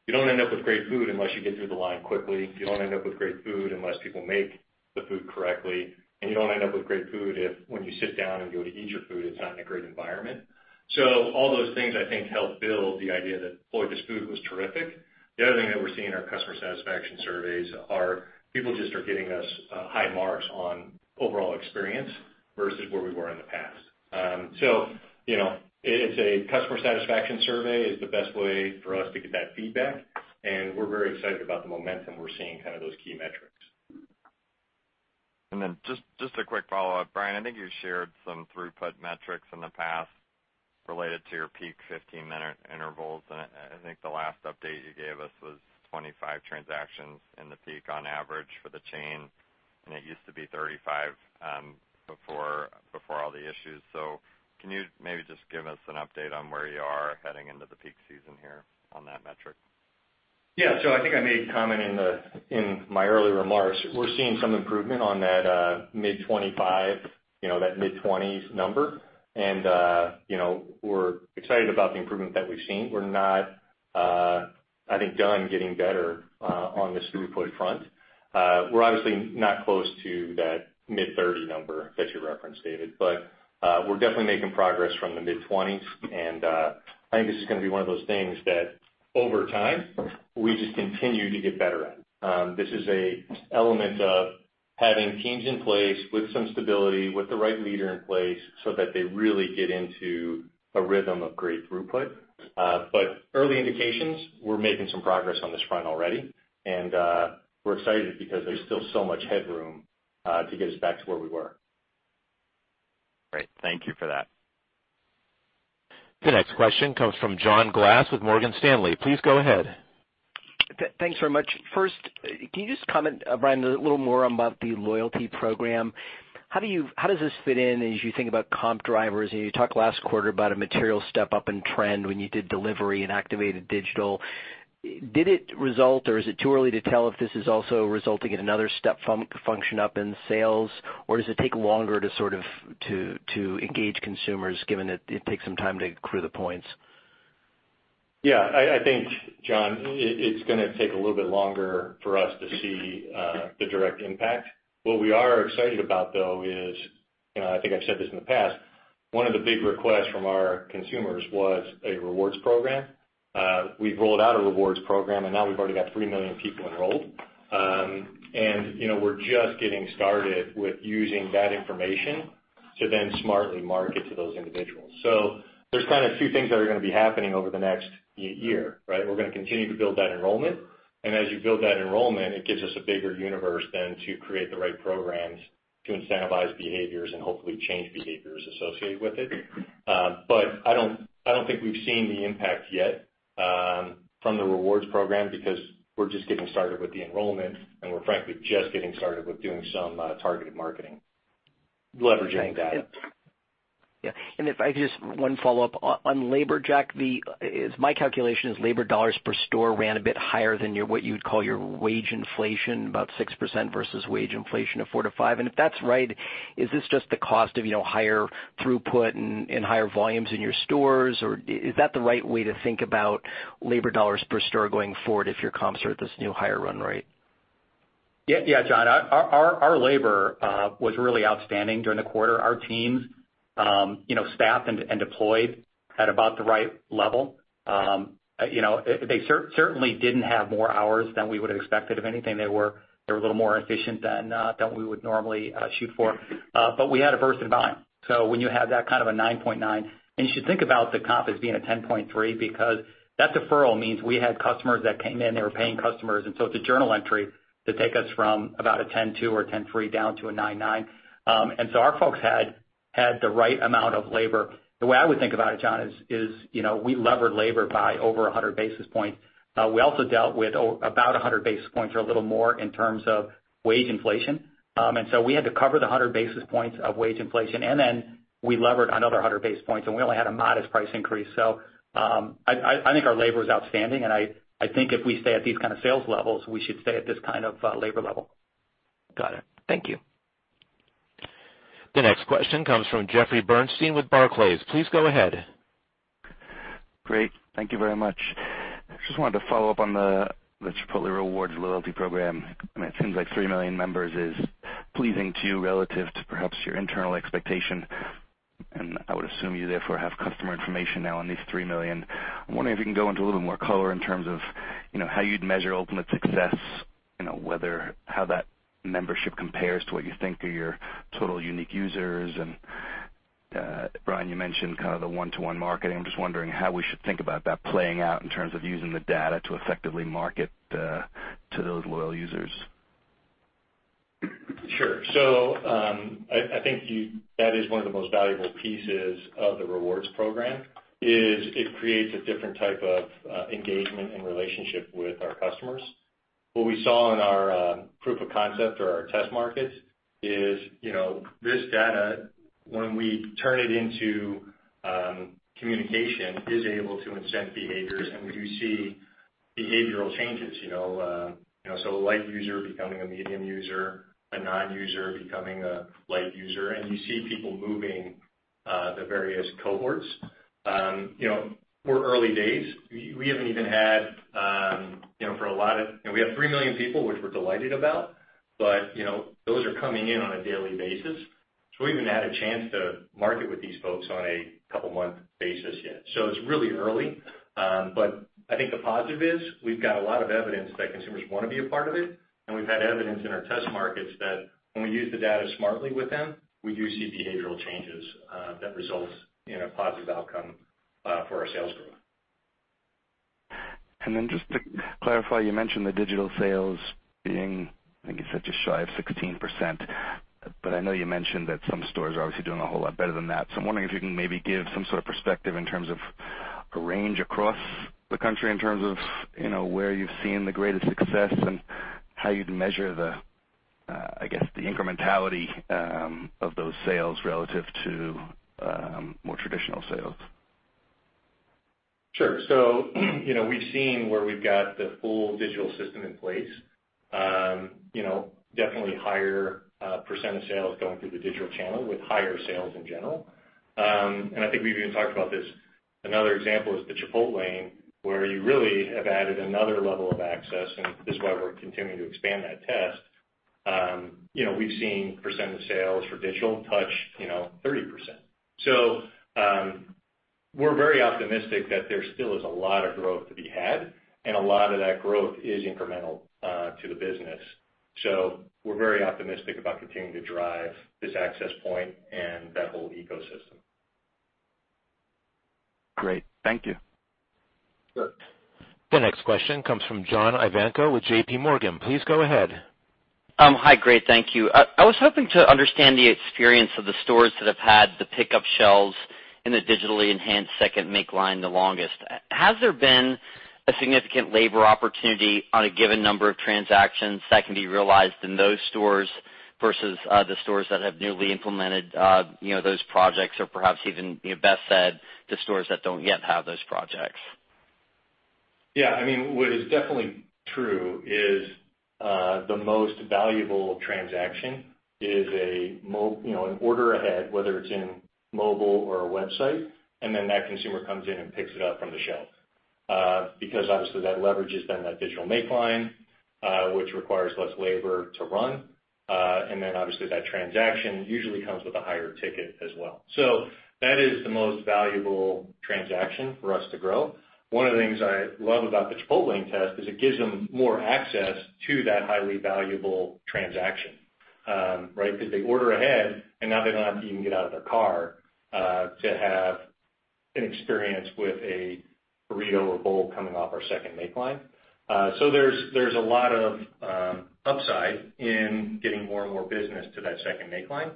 Speaker 3: You don't end up with great food unless you get through the line quickly. You don't end up with great food unless people make the food correctly. You don't end up with great food if, when you sit down and go to eat your food, it's not in a great environment. All those things I think helped build the idea that Chipotle's food was terrific. The other thing that we're seeing in our customer satisfaction surveys are people just are giving us high marks on overall experience versus where we were in the past. It's a customer satisfaction survey is the best way for us to get that feedback, and we're very excited about the momentum we're seeing, kind of those key metrics.
Speaker 7: Just a quick follow-up. Brian, I think you shared some throughput metrics in the past related to your peak 15-minute intervals, and I think the last update you gave us was 25 transactions in the peak on average for the chain, and it used to be 35 before all the issues. Can you maybe just give us an update on where you are heading into the peak season here on that metric?
Speaker 3: Yeah. I think I made a comment in my early remarks. We're seeing some improvement on that mid-25, that mid-20s number, and we're excited about the improvement that we've seen. We're not, I think, done getting better on this throughput front. We're obviously not close to that mid-30 number that you referenced, David, but we're definitely making progress from the mid-20s. I think this is going to be one of those things that over time, we just continue to get better at. This is an element of having teams in place with some stability, with the right leader in place so that they really get into a rhythm of great throughput. Early indications, we're making some progress on this front already, and we're excited because there's still so much headroom to get us back to where we were.
Speaker 7: Great. Thank you for that.
Speaker 1: The next question comes from John Glass with Morgan Stanley. Please go ahead.
Speaker 8: Thanks very much. First, can you just comment, Brian, a little more about the loyalty program? How does this fit in as you think about comp drivers? You talked last quarter about a material step up in trend when you did delivery and activated digital. Did it result, or is it too early to tell if this is also resulting in another step function up in sales, or does it take longer to engage consumers given that it takes some time to accrue the points?
Speaker 3: Yeah. I think, John, it's going to take a little bit longer for us to see the direct impact. What we are excited about, though, is, I think I've said this in the past, one of the big requests from our consumers was a Chipotle Rewards program. We've rolled out a Chipotle Rewards program, and now we've already got 3 million people enrolled. We're just getting started with using that information to then smartly market to those individuals. There's kind of two things that are going to be happening over the next year, right? We're going to continue to build that enrollment, and as you build that enrollment, it gives us a bigger universe then to create the right programs to incentivize behaviors and hopefully change behaviors associated with it. I don't think we've seen the impact yet from the Chipotle Rewards program because we're just getting started with the enrollment, and we're frankly just getting started with doing some targeted marketing, leveraging data.
Speaker 8: Yeah. If I could just, one follow-up on labor, Jack. My calculation is labor dollars per store ran a bit higher than what you'd call your wage inflation, about 6% versus wage inflation of 4%-5%. If that's right, is this just the cost of higher throughput and higher volumes in your stores, or is that the right way to think about labor dollars per store going forward if your comps are at this new higher run rate?
Speaker 4: Yeah, John. Our labor was really outstanding during the quarter. Our teams staffed and deployed at about the right level. They certainly didn't have more hours than we would've expected. If anything, they were a little more efficient than we would normally shoot for. But we had a burst in volume. So when you have that kind of a 9.9, and you should think about the comp as being a 10.3, because that deferral means we had customers that came in that were paying customers, and so it's a journal entry to take us from about a 10.2 or 10.3 down to a 9.9. Our folks had the right amount of labor. The way I would think about it, John, is we levered labor by over 100 basis points. We also dealt with about 100 basis points or a little more in terms of wage inflation.
Speaker 3: We had to cover the 100 basis points of wage inflation, and then we levered another 100 basis points, and we only had a modest price increase. I think our labor is outstanding, and I think if we stay at these kind of sales levels, we should stay at this kind of labor level.
Speaker 8: Got it. Thank you.
Speaker 1: The next question comes from Jeffrey Bernstein with Barclays. Please go ahead.
Speaker 9: Great. Thank you very much. Just wanted to follow up on the Chipotle Rewards loyalty program. It seems like 3 million members is pleasing to you relative to perhaps your internal expectation. I would assume you therefore have customer information now on these 3 million. I'm wondering if you can go into a little more color in terms of how you'd measure ultimate success, how that membership compares to what you think are your total unique users, and Brian, you mentioned kind of the one-to-one marketing. I'm just wondering how we should think about that playing out in terms of using the data to effectively market to those loyal users.
Speaker 3: Sure. I think that is one of the most valuable pieces of the rewards program, is it creates a different type of engagement and relationship with our customers. What we saw in our proof of concept or our test markets is this data, when we turn it into communication, is able to incent behaviors, and we do see behavioral changes. A light user becoming a medium user, a non-user becoming a light user, and you see people moving the various cohorts. We're early days. We have 3 million people, which we're delighted about. Those are coming in on a daily basis. We haven't even had a chance to market with these folks on a couple-month basis yet. It's really early. I think the positive is we've got a lot of evidence that consumers want to be a part of it, and we've had evidence in our test markets that when we use the data smartly with them, we do see behavioral changes that results in a positive outcome for our sales growth.
Speaker 9: Just to clarify, you mentioned the digital sales being, I think you said just shy of 16%, but I know you mentioned that some stores are obviously doing a whole lot better than that. I'm wondering if you can maybe give some sort of perspective in terms of a range across the country in terms of where you've seen the greatest success and how you'd measure the incrementality of those sales relative to more traditional sales.
Speaker 3: We've seen where we've got the full digital system in place. Definitely higher percent of sales going through the digital channel with higher sales in general. I think we've even talked about this. Another example is the Chipotlane, where you really have added another level of access, and this is why we're continuing to expand that test. We've seen percent of sales for digital touch 30%. We're very optimistic that there still is a lot of growth to be had and a lot of that growth is incremental to the business. We're very optimistic about continuing to drive this access point and that whole ecosystem.
Speaker 9: Great. Thank you.
Speaker 3: Sure.
Speaker 1: The next question comes from John Ivankoe with JPMorgan. Please go ahead.
Speaker 10: Hi, great. Thank you. I was hoping to understand the experience of the stores that have had the pickup shelves in the digitally enhanced second make line the longest. Has there been a significant labor opportunity on a given number of transactions that can be realized in those stores versus the stores that have newly implemented those projects or perhaps even, best said, the stores that don't yet have those projects?
Speaker 3: Yeah, what is definitely true is the most valuable transaction is an order ahead, whether it's in mobile or a website, and then that consumer comes in and picks it up from the shelf. Obviously that leverages then that digital make line, which requires less labor to run. Obviously that transaction usually comes with a higher ticket as well. That is the most valuable transaction for us to grow. One of the things I love about the Chipotlane test is it gives them more access to that highly valuable transaction. They order ahead, and now they don't have to even get out of their car, to have an experience with a burrito or bowl coming off our second make line. There's a lot of upside in getting more and more business to that second make line,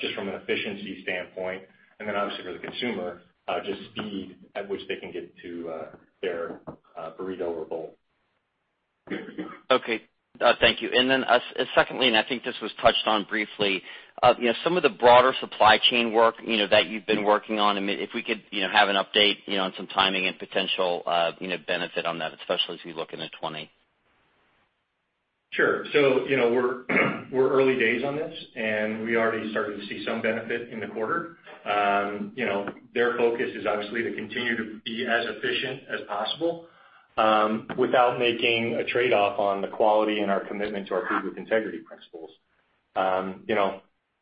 Speaker 3: just from an efficiency standpoint. Obviously for the consumer, just speed at which they can get to their burrito or bowl.
Speaker 10: Okay. Thank you. Secondly, and I think this was touched on briefly, some of the broader supply chain work that you've been working on, if we could have an update on some timing and potential benefit on that, especially as we look into 2020.
Speaker 3: Sure. We're early days on this, and we already started to see some benefit in the quarter. Their focus is obviously to continue to be as efficient as possible without making a trade-off on the quality and our commitment to our food with integrity principles.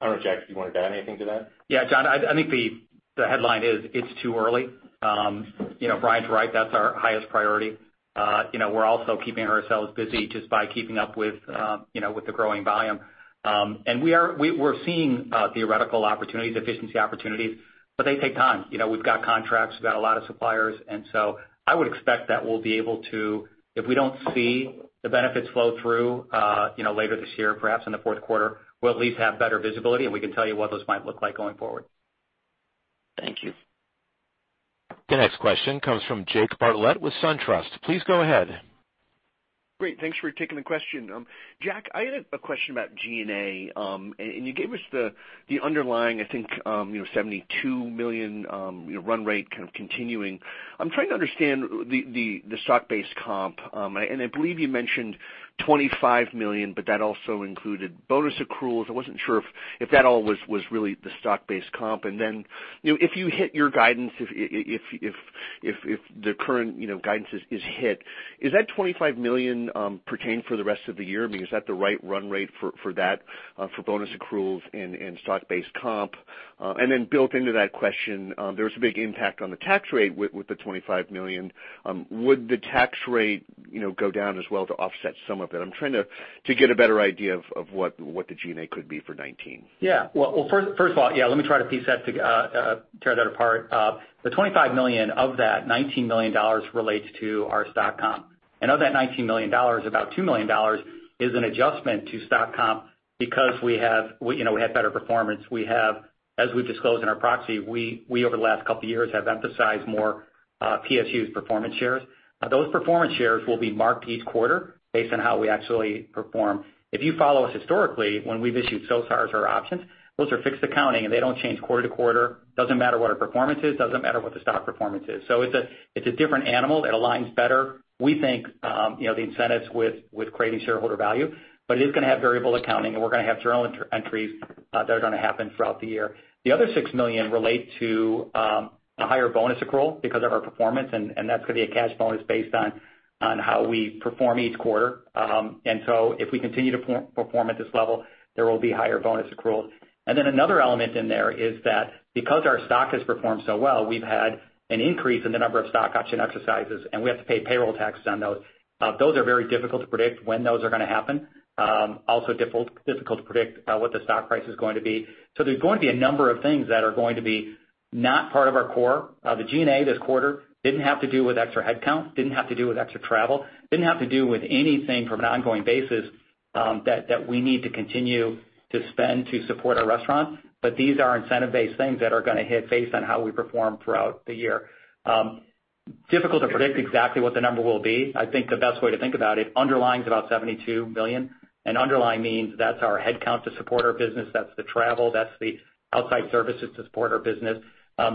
Speaker 3: I don't know, Jack, do you want to add anything to that?
Speaker 4: Yeah, John, I think the headline is, it's too early. Brian's right, that's our highest priority. We're also keeping ourselves busy just by keeping up with the growing volume. We're seeing theoretical opportunities, efficiency opportunities, but they take time. We've got contracts, we've got a lot of suppliers, I would expect that we'll be able to, if we don't see the benefits flow through later this year, perhaps in the fourth quarter, we'll at least have better visibility, and we can tell you what those might look like going forward.
Speaker 3: Thank you.
Speaker 1: The next question comes from Jake Bartlett with Truist. Please go ahead.
Speaker 11: Great. Thanks for taking the question. Jack, I had a question about G&A, you gave us the underlying, I think, $72 million run rate kind of continuing. I'm trying to understand the stock-based comp, I believe you mentioned $25 million, but that also included bonus accruals. I wasn't sure if that all was really the stock-based comp. If you hit your guidance, if the current guidance is hit, is that $25 million pertained for the rest of the year? I mean, is that the right run rate for that for bonus accruals and stock-based comp? Built into that question, there was a big impact on the tax rate with the $25 million. Would the tax rate go down as well to offset some of it? I'm trying to get a better idea of what the G&A could be for 2019.
Speaker 4: Well, first of all, let me try to tear that apart. The $25 million, of that, $19 million relates to our stock comp. Of that $19 million, about $2 million is an adjustment to stock comp because we had better performance. As we've disclosed in our proxy, we, over the last couple of years, have emphasized more PSUs, performance shares. Those performance shares will be marked each quarter based on how we actually perform. If you follow us historically, when we've issued SARs or options, those are fixed accounting, and they don't change quarter to quarter. Doesn't matter what our performance is, doesn't matter what the stock performance is. It's a different animal. It aligns better. We think the incentives with creating shareholder value, but it is going to have variable accounting, and we're going to have journal entries that are going to happen throughout the year. The other $6 million relate to a higher bonus accrual because of our performance, and that's going to be a cash bonus based on how we perform each quarter. If we continue to perform at this level, there will be higher bonus accruals. Another element in there is that because our stock has performed so well, we've had an increase in the number of stock option exercises, and we have to pay payroll taxes on those. Those are very difficult to predict when those are going to happen. Also difficult to predict what the stock price is going to be. There's going to be a number of things that are going to be not part of our core. The G&A this quarter didn't have to do with extra headcount, didn't have to do with extra travel, didn't have to do with anything from an ongoing basis that we need to continue to spend to support our restaurants. These are incentive-based things that are going to hit based on how we perform throughout the year. Difficult to predict exactly what the number will be. I think the best way to think about it, underlying is about $72 million, and underlying means that's our headcount to support our business, that's the travel, that's the outside services to support our business.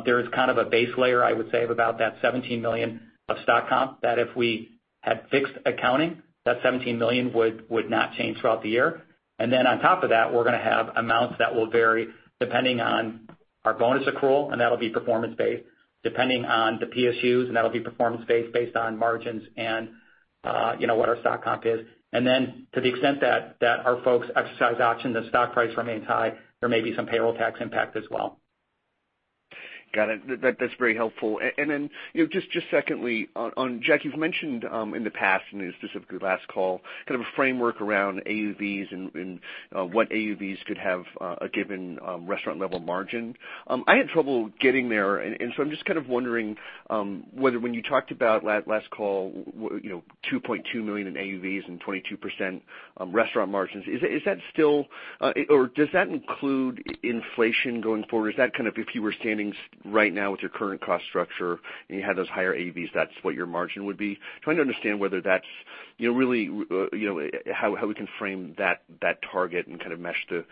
Speaker 4: There is kind of a base layer, I would say, of about that $17 million of stock comp that if we had fixed accounting, that $17 million would not change throughout the year. On top of that, we're going to have amounts that will vary depending on our bonus accrual, and that'll be performance based, depending on the PSUs, and that'll be performance based on margins and what our stock comp is. To the extent that our folks exercise options, the stock price remains high, there may be some payroll tax impact as well.
Speaker 11: Got it. That's very helpful. Secondly, Jack, you've mentioned in the past, and specifically last call, kind of a framework around AUVs and what AUVs could have a given restaurant level margin. I had trouble getting there, I'm just kind of wondering whether when you talked about last call, $2.2 million in AUVs and 22% restaurant margins, does that include inflation going forward? Is that kind of if you were standing right now with your current cost structure and you had those higher AUVs, that's what your margin would be? Trying to understand how we can frame that target and kind of mesh the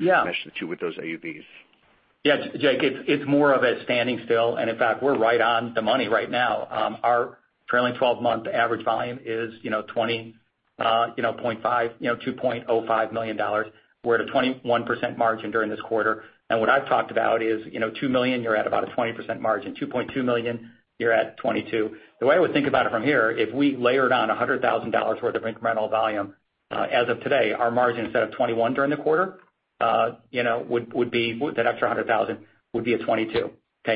Speaker 11: two with those AUVs.
Speaker 4: Jake, it's more of a standing still. In fact, we're right on the money right now. Our trailing 12-month average volume is $2.05 million. We're at a 21% margin during this quarter. What I've talked about is $2 million, you're at about a 20% margin, $2.2 million, you're at 22%. The way I would think about it from here, if we layered on $100,000 worth of incremental volume as of today, our margin, instead of 21% during the quarter, with an extra $100,000, would be a 22%.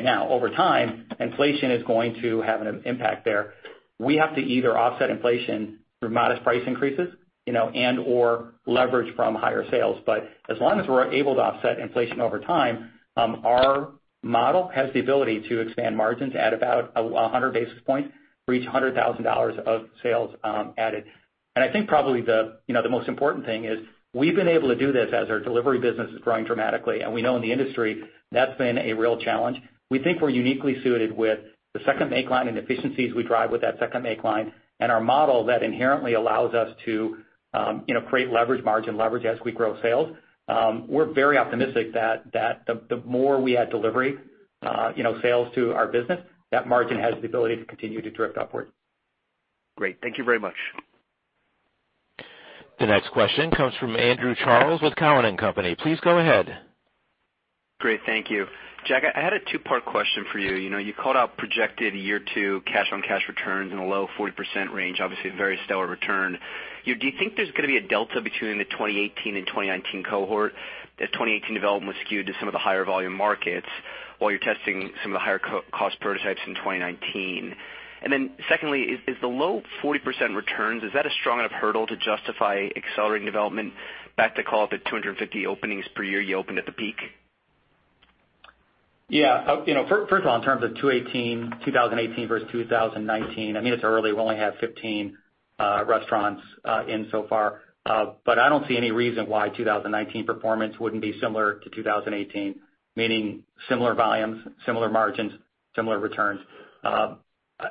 Speaker 4: Now, over time, inflation is going to have an impact there. We have to either offset inflation through modest price increases and/or leverage from higher sales. As long as we're able to offset inflation over time, our model has the ability to expand margins at about 100 basis points for each $100,000 of sales added. I think probably the most important thing is we've been able to do this as our delivery business is growing dramatically, and we know in the industry that's been a real challenge. We think we're uniquely suited with the second make line and efficiencies we drive with that second make line, and our model that inherently allows us to create leverage, margin leverage as we grow sales. We're very optimistic that the more we add delivery sales to our business, that margin has the ability to continue to drift upwards.
Speaker 11: Great. Thank you very much.
Speaker 1: The next question comes from Andrew Charles with Cowen and Company. Please go ahead.
Speaker 12: Great. Thank you. Jack, I had a two-part question for you. You called out projected year two cash on cash returns in a low 40% range. Obviously, a very stellar return. Do you think there's going to be a delta between the 2018 and 2019 cohort, as 2018 development was skewed to some of the higher volume markets while you're testing some of the higher cost prototypes in 2019? Secondly, is the low 40% returns, is that a strong enough hurdle to justify accelerating development back to call it the 250 openings per year you opened at the peak?
Speaker 4: Yeah. First of all, in terms of 2018 versus 2019, it's early. We only have 15 restaurants in so far. I don't see any reason why 2019 performance wouldn't be similar to 2018, meaning similar volumes, similar margins, similar returns.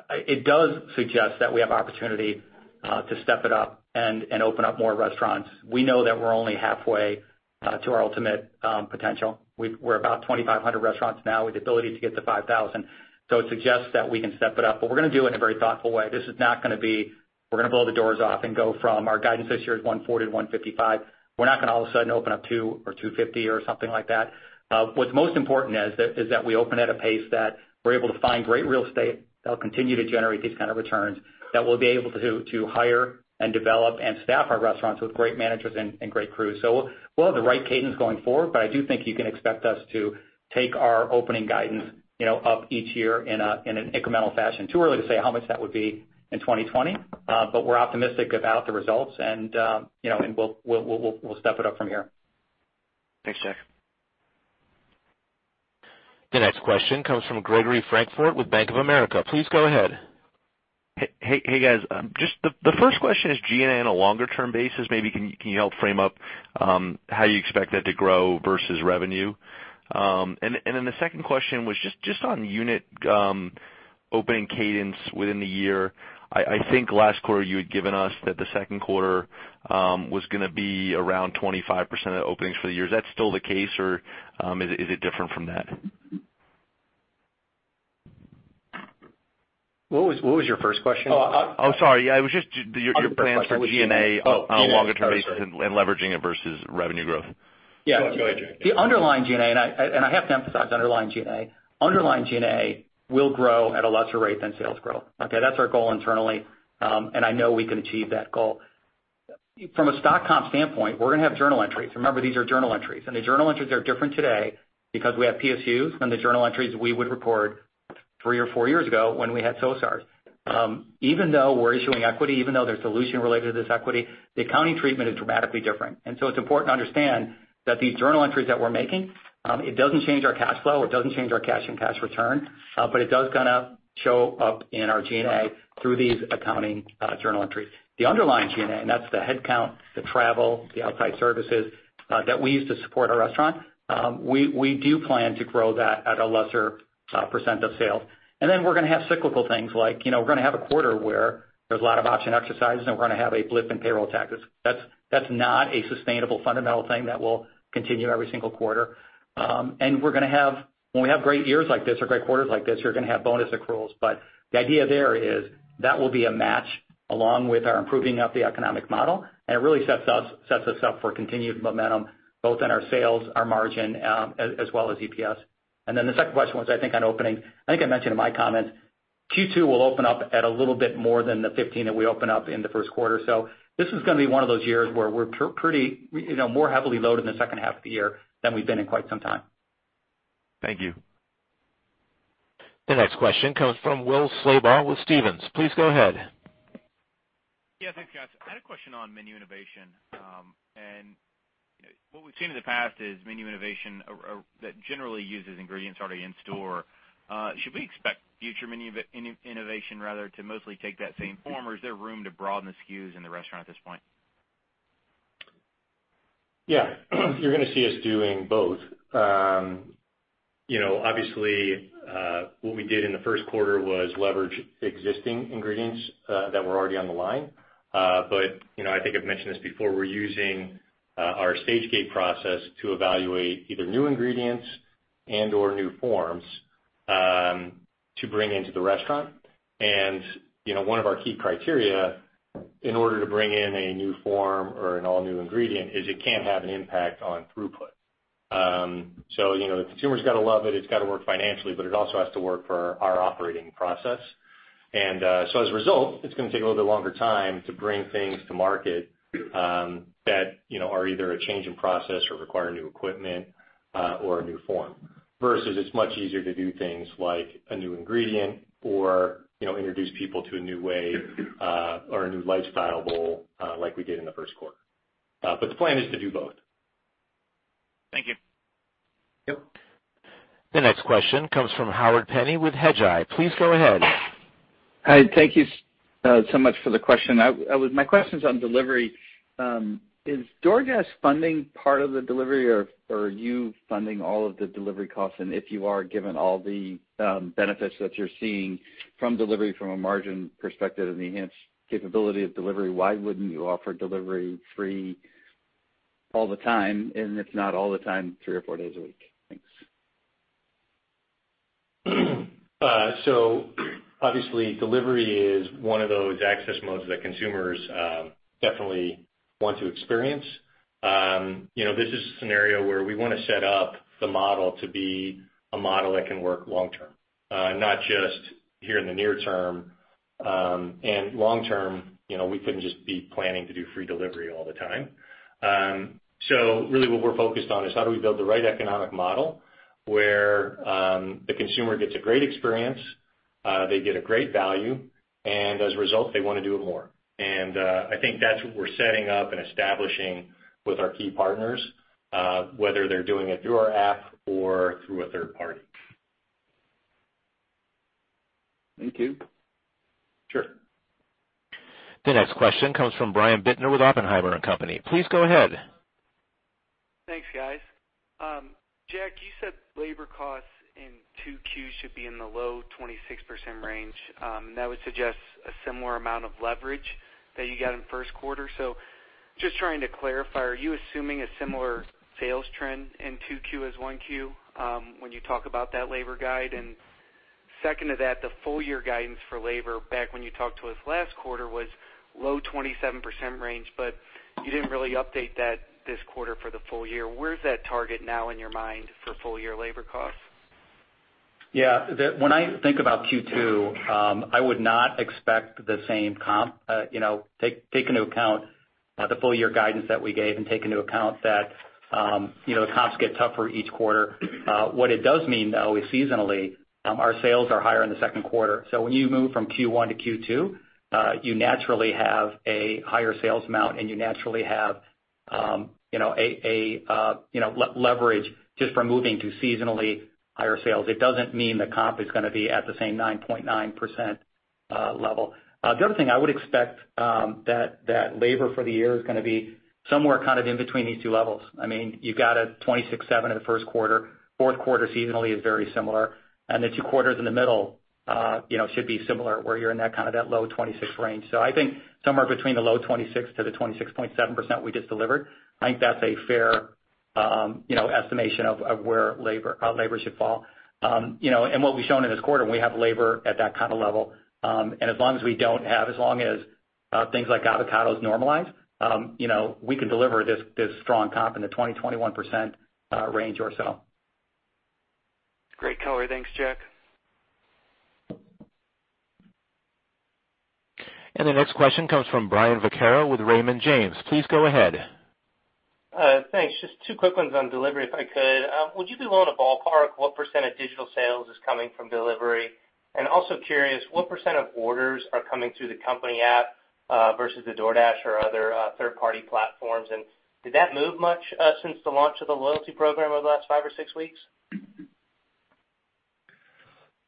Speaker 4: It does suggest that we have opportunity to step it up and open up more restaurants. We know that we're only halfway to our ultimate potential. We're about 2,500 restaurants now with the ability to get to 5,000. It suggests that we can step it up, we're going to do it in a very thoughtful way. This is not going to be we're going to blow the doors off and go from our guidance this year is 140 to 155. We're not going to all of a sudden open up 200 or 250 or something like that. What's most important is that we open at a pace that we're able to find great real estate that'll continue to generate these kind of returns, that we'll be able to hire and develop and staff our restaurants with great managers and great crews. We'll have the right cadence going forward, I do think you can expect us to take our opening guidance up each year in an incremental fashion. Too early to say how much that would be in 2020. We're optimistic about the results and we'll step it up from here.
Speaker 12: Thanks, Jack.
Speaker 1: The next question comes from Gregory Francfort with Bank of America. Please go ahead.
Speaker 13: Hey, guys. Just the first question is G&A on a longer term basis. Maybe can you help frame up how you expect that to grow versus revenue? Then the second question was just on unit opening cadence within the year. I think last quarter you had given us that the second quarter was going to be around 25% of the openings for the year. Is that still the case or is it different from that?
Speaker 4: What was your first question?
Speaker 13: Oh, sorry. It was just your plans for G&A on a longer term basis and leveraging it versus revenue growth. Yeah. Go ahead, Jack.
Speaker 4: The underlying G&A, and I have to emphasize underlying G&A, underlying G&A will grow at a lesser rate than sales growth. Okay? That's our goal internally, and I know we can achieve that goal. From a stock comp standpoint, we're going to have journal entries. Remember, these are journal entries. The journal entries are different today because we have PSUs from the journal entries we would record three or four years ago when we had SARs. Even though we're issuing equity, even though there's dilution related to this equity, the accounting treatment is dramatically different. It's important to understand that these journal entries that we're making, it doesn't change our cash flow, it doesn't change our cash and cash return, but it does show up in our G&A through these accounting journal entries. The underlying G&A, and that's the head count, the travel, the outside services that we use to support our restaurant, we do plan to grow that at a lesser % of sales. We're going to have cyclical things like, we're going to have a quarter where there's a lot of option exercises, and we're going to have a blip in payroll taxes. That's not a sustainable fundamental thing that will continue every single quarter. When we have great years like this or great quarters like this, you're going to have bonus accruals. The idea there is that will be a match along with our improving of the economic model, and it really sets us up for continued momentum both in our sales, our margin, as well as EPS. The second question was, I think on openings. I think I mentioned in my comments, Q2 will open up at a little bit more than the 15 that we opened up in the first quarter. This is going to be one of those years where we're more heavily loaded in the second half of the year than we've been in quite some time.
Speaker 13: Thank you.
Speaker 1: The next question comes from Will Slabaugh with Stephens. Please go ahead.
Speaker 14: Yeah, thanks guys. I had a question on menu innovation. What we've seen in the past is menu innovation that generally uses ingredients already in store. Should we expect future menu innovation, rather, to mostly take that same form or is there room to broaden the SKUs in the restaurant at this point?
Speaker 3: Yeah. You're going to see us doing both. Obviously, what we did in the first quarter was leverage existing ingredients that were already on the line. I think I've mentioned this before, we're using our stage gate process to evaluate either new ingredients and/or new forms, to bring into the restaurant. One of our key criteria in order to bring in a new form or an all-new ingredient is it can't have an impact on throughput. The consumer's got to love it's got to work financially, but it also has to work for our operating process. As a result, it's going to take a little bit longer time to bring things to market that are either a change in process or require new equipment, or a new form. Versus it's much easier to do things like a new ingredient or introduce people to a new way, or a new Lifestyle Bowl, like we did in the first quarter. The plan is to do both.
Speaker 14: Thank you.
Speaker 3: Yep.
Speaker 1: The next question comes from Howard Penney with Hedgeye. Please go ahead.
Speaker 15: Hi, thank you so much for the question. My question's on delivery. Is DoorDash funding part of the delivery or are you funding all of the delivery costs? If you are, given all the benefits that you're seeing from delivery from a margin perspective and the enhanced capability of delivery, why wouldn't you offer delivery free all the time? If not all the time, three or four days a week? Thanks.
Speaker 3: Obviously, delivery is one of those access modes that consumers definitely want to experience. This is a scenario where we want to set up the model to be a model that can work long term, not just here in the near term. Long term, we couldn't just be planning to do free delivery all the time. Really, what we're focused on is how do we build the right economic model where the consumer gets a great experience, they get a great value, and as a result, they want to do it more. I think that's what we're setting up and establishing with our key partners, whether they're doing it through our app or through a third party.
Speaker 15: Thank you.
Speaker 3: Sure.
Speaker 1: The next question comes from Brian Bittner with Oppenheimer & Co. Please go ahead.
Speaker 16: Thanks, guys. Jack, you said labor costs in 2Q should be in the low 26% range. That would suggest a similar amount of leverage that you got in the first quarter. Just trying to clarify, are you assuming a similar sales trend in 2Q as 1Q when you talk about that labor guide? Second to that, the full year guidance for labor back when you talked to us last quarter was low 27% range, but you didn't really update that this quarter for the full year. Where's that target now in your mind for full year labor costs?
Speaker 4: Yeah. When I think about Q2, I would not expect the same comp. Take into account the full year guidance that we gave and take into account that the comps get tougher each quarter. What it does mean, though, is seasonally, our sales are higher in the second quarter. When you move from Q1 to Q2, you naturally have a higher sales amount, and you naturally have leverage just from moving to seasonally higher sales. It doesn't mean the comp is going to be at the same 9.9% level. The other thing, I would expect that labor for the year is going to be somewhere in between these two levels. You've got a 26.7% in the first quarter. Fourth quarter seasonally is very similar. The two quarters in the middle should be similar, where you're in that low 26% range.
Speaker 3: I think somewhere between the low 26% to the 26.7% we just delivered, I think that's a fair estimation of where labor should fall. What we've shown in this quarter, we have labor at that kind of level. As long as things like avocados normalize, we can deliver this strong comp in the 20%-21% range or so.
Speaker 16: Great color. Thanks, Jack.
Speaker 1: The next question comes from Brian Viqueira with Raymond James. Please go ahead.
Speaker 17: Thanks. Just 2 quick ones on delivery, if I could. Would you be willing to ballpark what % of digital sales is coming from delivery? Also curious, what % of orders are coming through the company app, versus the DoorDash or other third-party platforms? Did that move much since the launch of the Loyalty program over the last 5 or 6 weeks?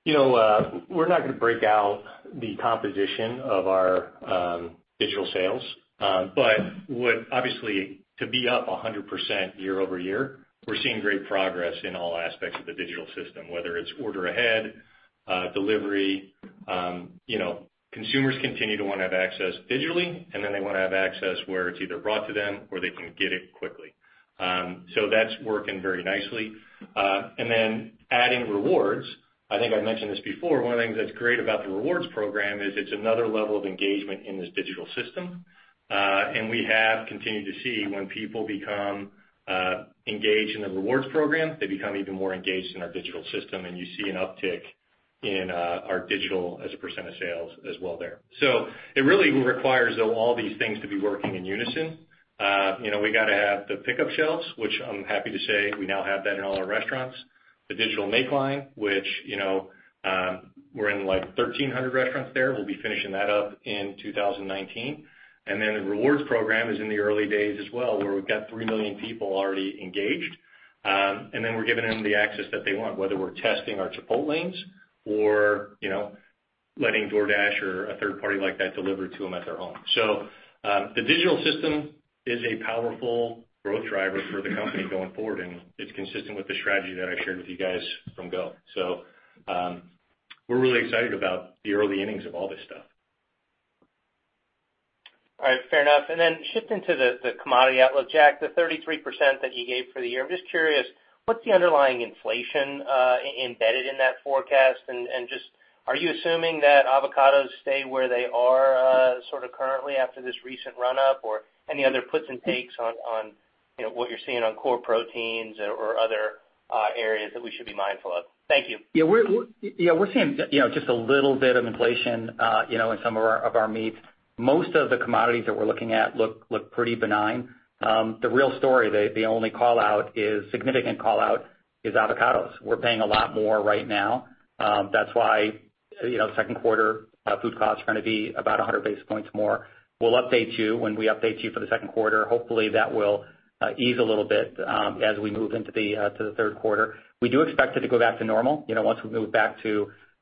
Speaker 3: We're not going to break out the composition of our digital sales. Obviously, to be up 100% year-over-year, we're seeing great progress in all aspects of the digital system, whether it's order ahead, delivery. Consumers continue to want to have access digitally, and then they want to have access where it's either brought to them or they can get it quickly. That's working very nicely. Adding Rewards, I think I've mentioned this before, one of the things that's great about the Rewards program is it's another level of engagement in this digital system. We have continued to see when people become engaged in the Rewards program, they become even more engaged in our digital system. You see an uptick in our digital as a % of sales as well there. It really requires, though, all these things to be working in unison. We got to have the pickup shelves, which I'm happy to say we now have that in all our restaurants. The digital make line, which we're in like 1,300 restaurants there. We'll be finishing that up in 2019. The Rewards program is in the early days as well, where we've got 3 million people already engaged. We're giving them the access that they want, whether we're testing our Chipotlanes or letting DoorDash or a third party like that deliver to them at their home. The digital system is a powerful growth driver for the company going forward, and it's consistent with the strategy that I shared with you guys from go. We're really excited about the early innings of all this stuff.
Speaker 17: All right, fair enough. Shifting to the commodity outlook. Jack, the 33% that you gave for the year, I'm just curious, what's the underlying inflation embedded in that forecast? Are you assuming that avocados stay where they are currently after this recent run-up? Or any other puts and takes on what you're seeing on core proteins or other areas that we should be mindful of? Thank you.
Speaker 4: Yeah, we're seeing just a little bit of inflation in some of our meat. Most of the commodities that we're looking at look pretty benign. The real story, the only significant call-out is avocados. We're paying a lot more right now. That's why the second quarter food costs are going to be about 100 basis points more. We'll update you when we update you for the second quarter. Hopefully, that will ease a little bit as we move into the third quarter. We do expect it to go back to normal, once we move back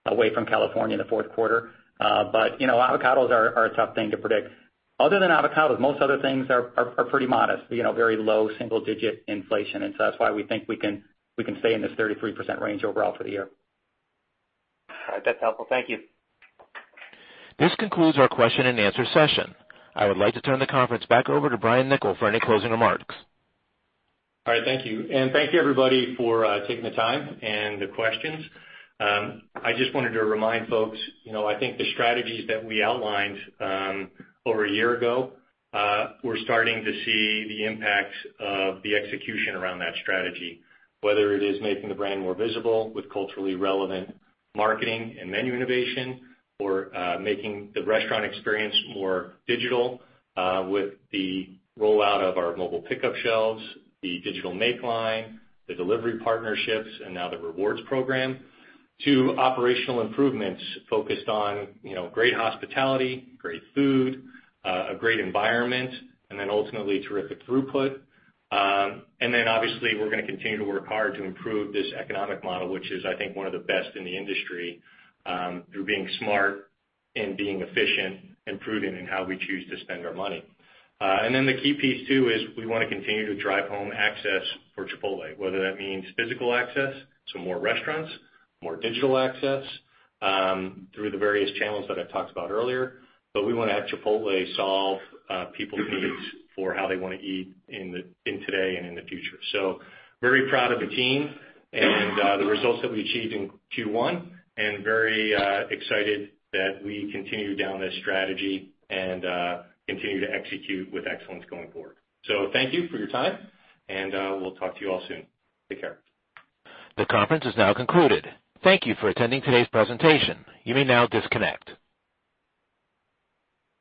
Speaker 4: away from California in the fourth quarter. Avocados are a tough thing to predict. Other than avocados, most other things are pretty modest. Very low single-digit inflation. That's why we think we can stay in this 33% range overall for the year.
Speaker 17: All right. That's helpful. Thank you.
Speaker 1: This concludes our question and answer session. I would like to turn the conference back over to Brian Niccol for any closing remarks.
Speaker 3: All right. Thank you. Thank you, everybody, for taking the time and the questions. I just wanted to remind folks, I think the strategies that we outlined over a year ago, we're starting to see the impacts of the execution around that strategy. Whether it is making the brand more visible with culturally relevant marketing and menu innovation, or making the restaurant experience more digital with the rollout of our mobile pickup shelves, the digital make line, the delivery partnerships, and now the rewards program. To operational improvements focused on great hospitality, great food, a great environment, and then ultimately terrific throughput. Obviously, we're going to continue to work hard to improve this economic model, which is, I think, one of the best in the industry, through being smart and being efficient and prudent in how we choose to spend our money. The key piece too is we want to continue to drive home access for Chipotle, whether that means physical access to more restaurants, more digital access through the various channels that I talked about earlier. We want to have Chipotle solve people's needs for how they want to eat in today and in the future. Very proud of the team and the results that we achieved in Q1, and very excited that we continue down this strategy and continue to execute with excellence going forward. Thank you for your time, and we'll talk to you all soon. Take care.
Speaker 1: The conference is now concluded. Thank you for attending today's presentation. You may now disconnect.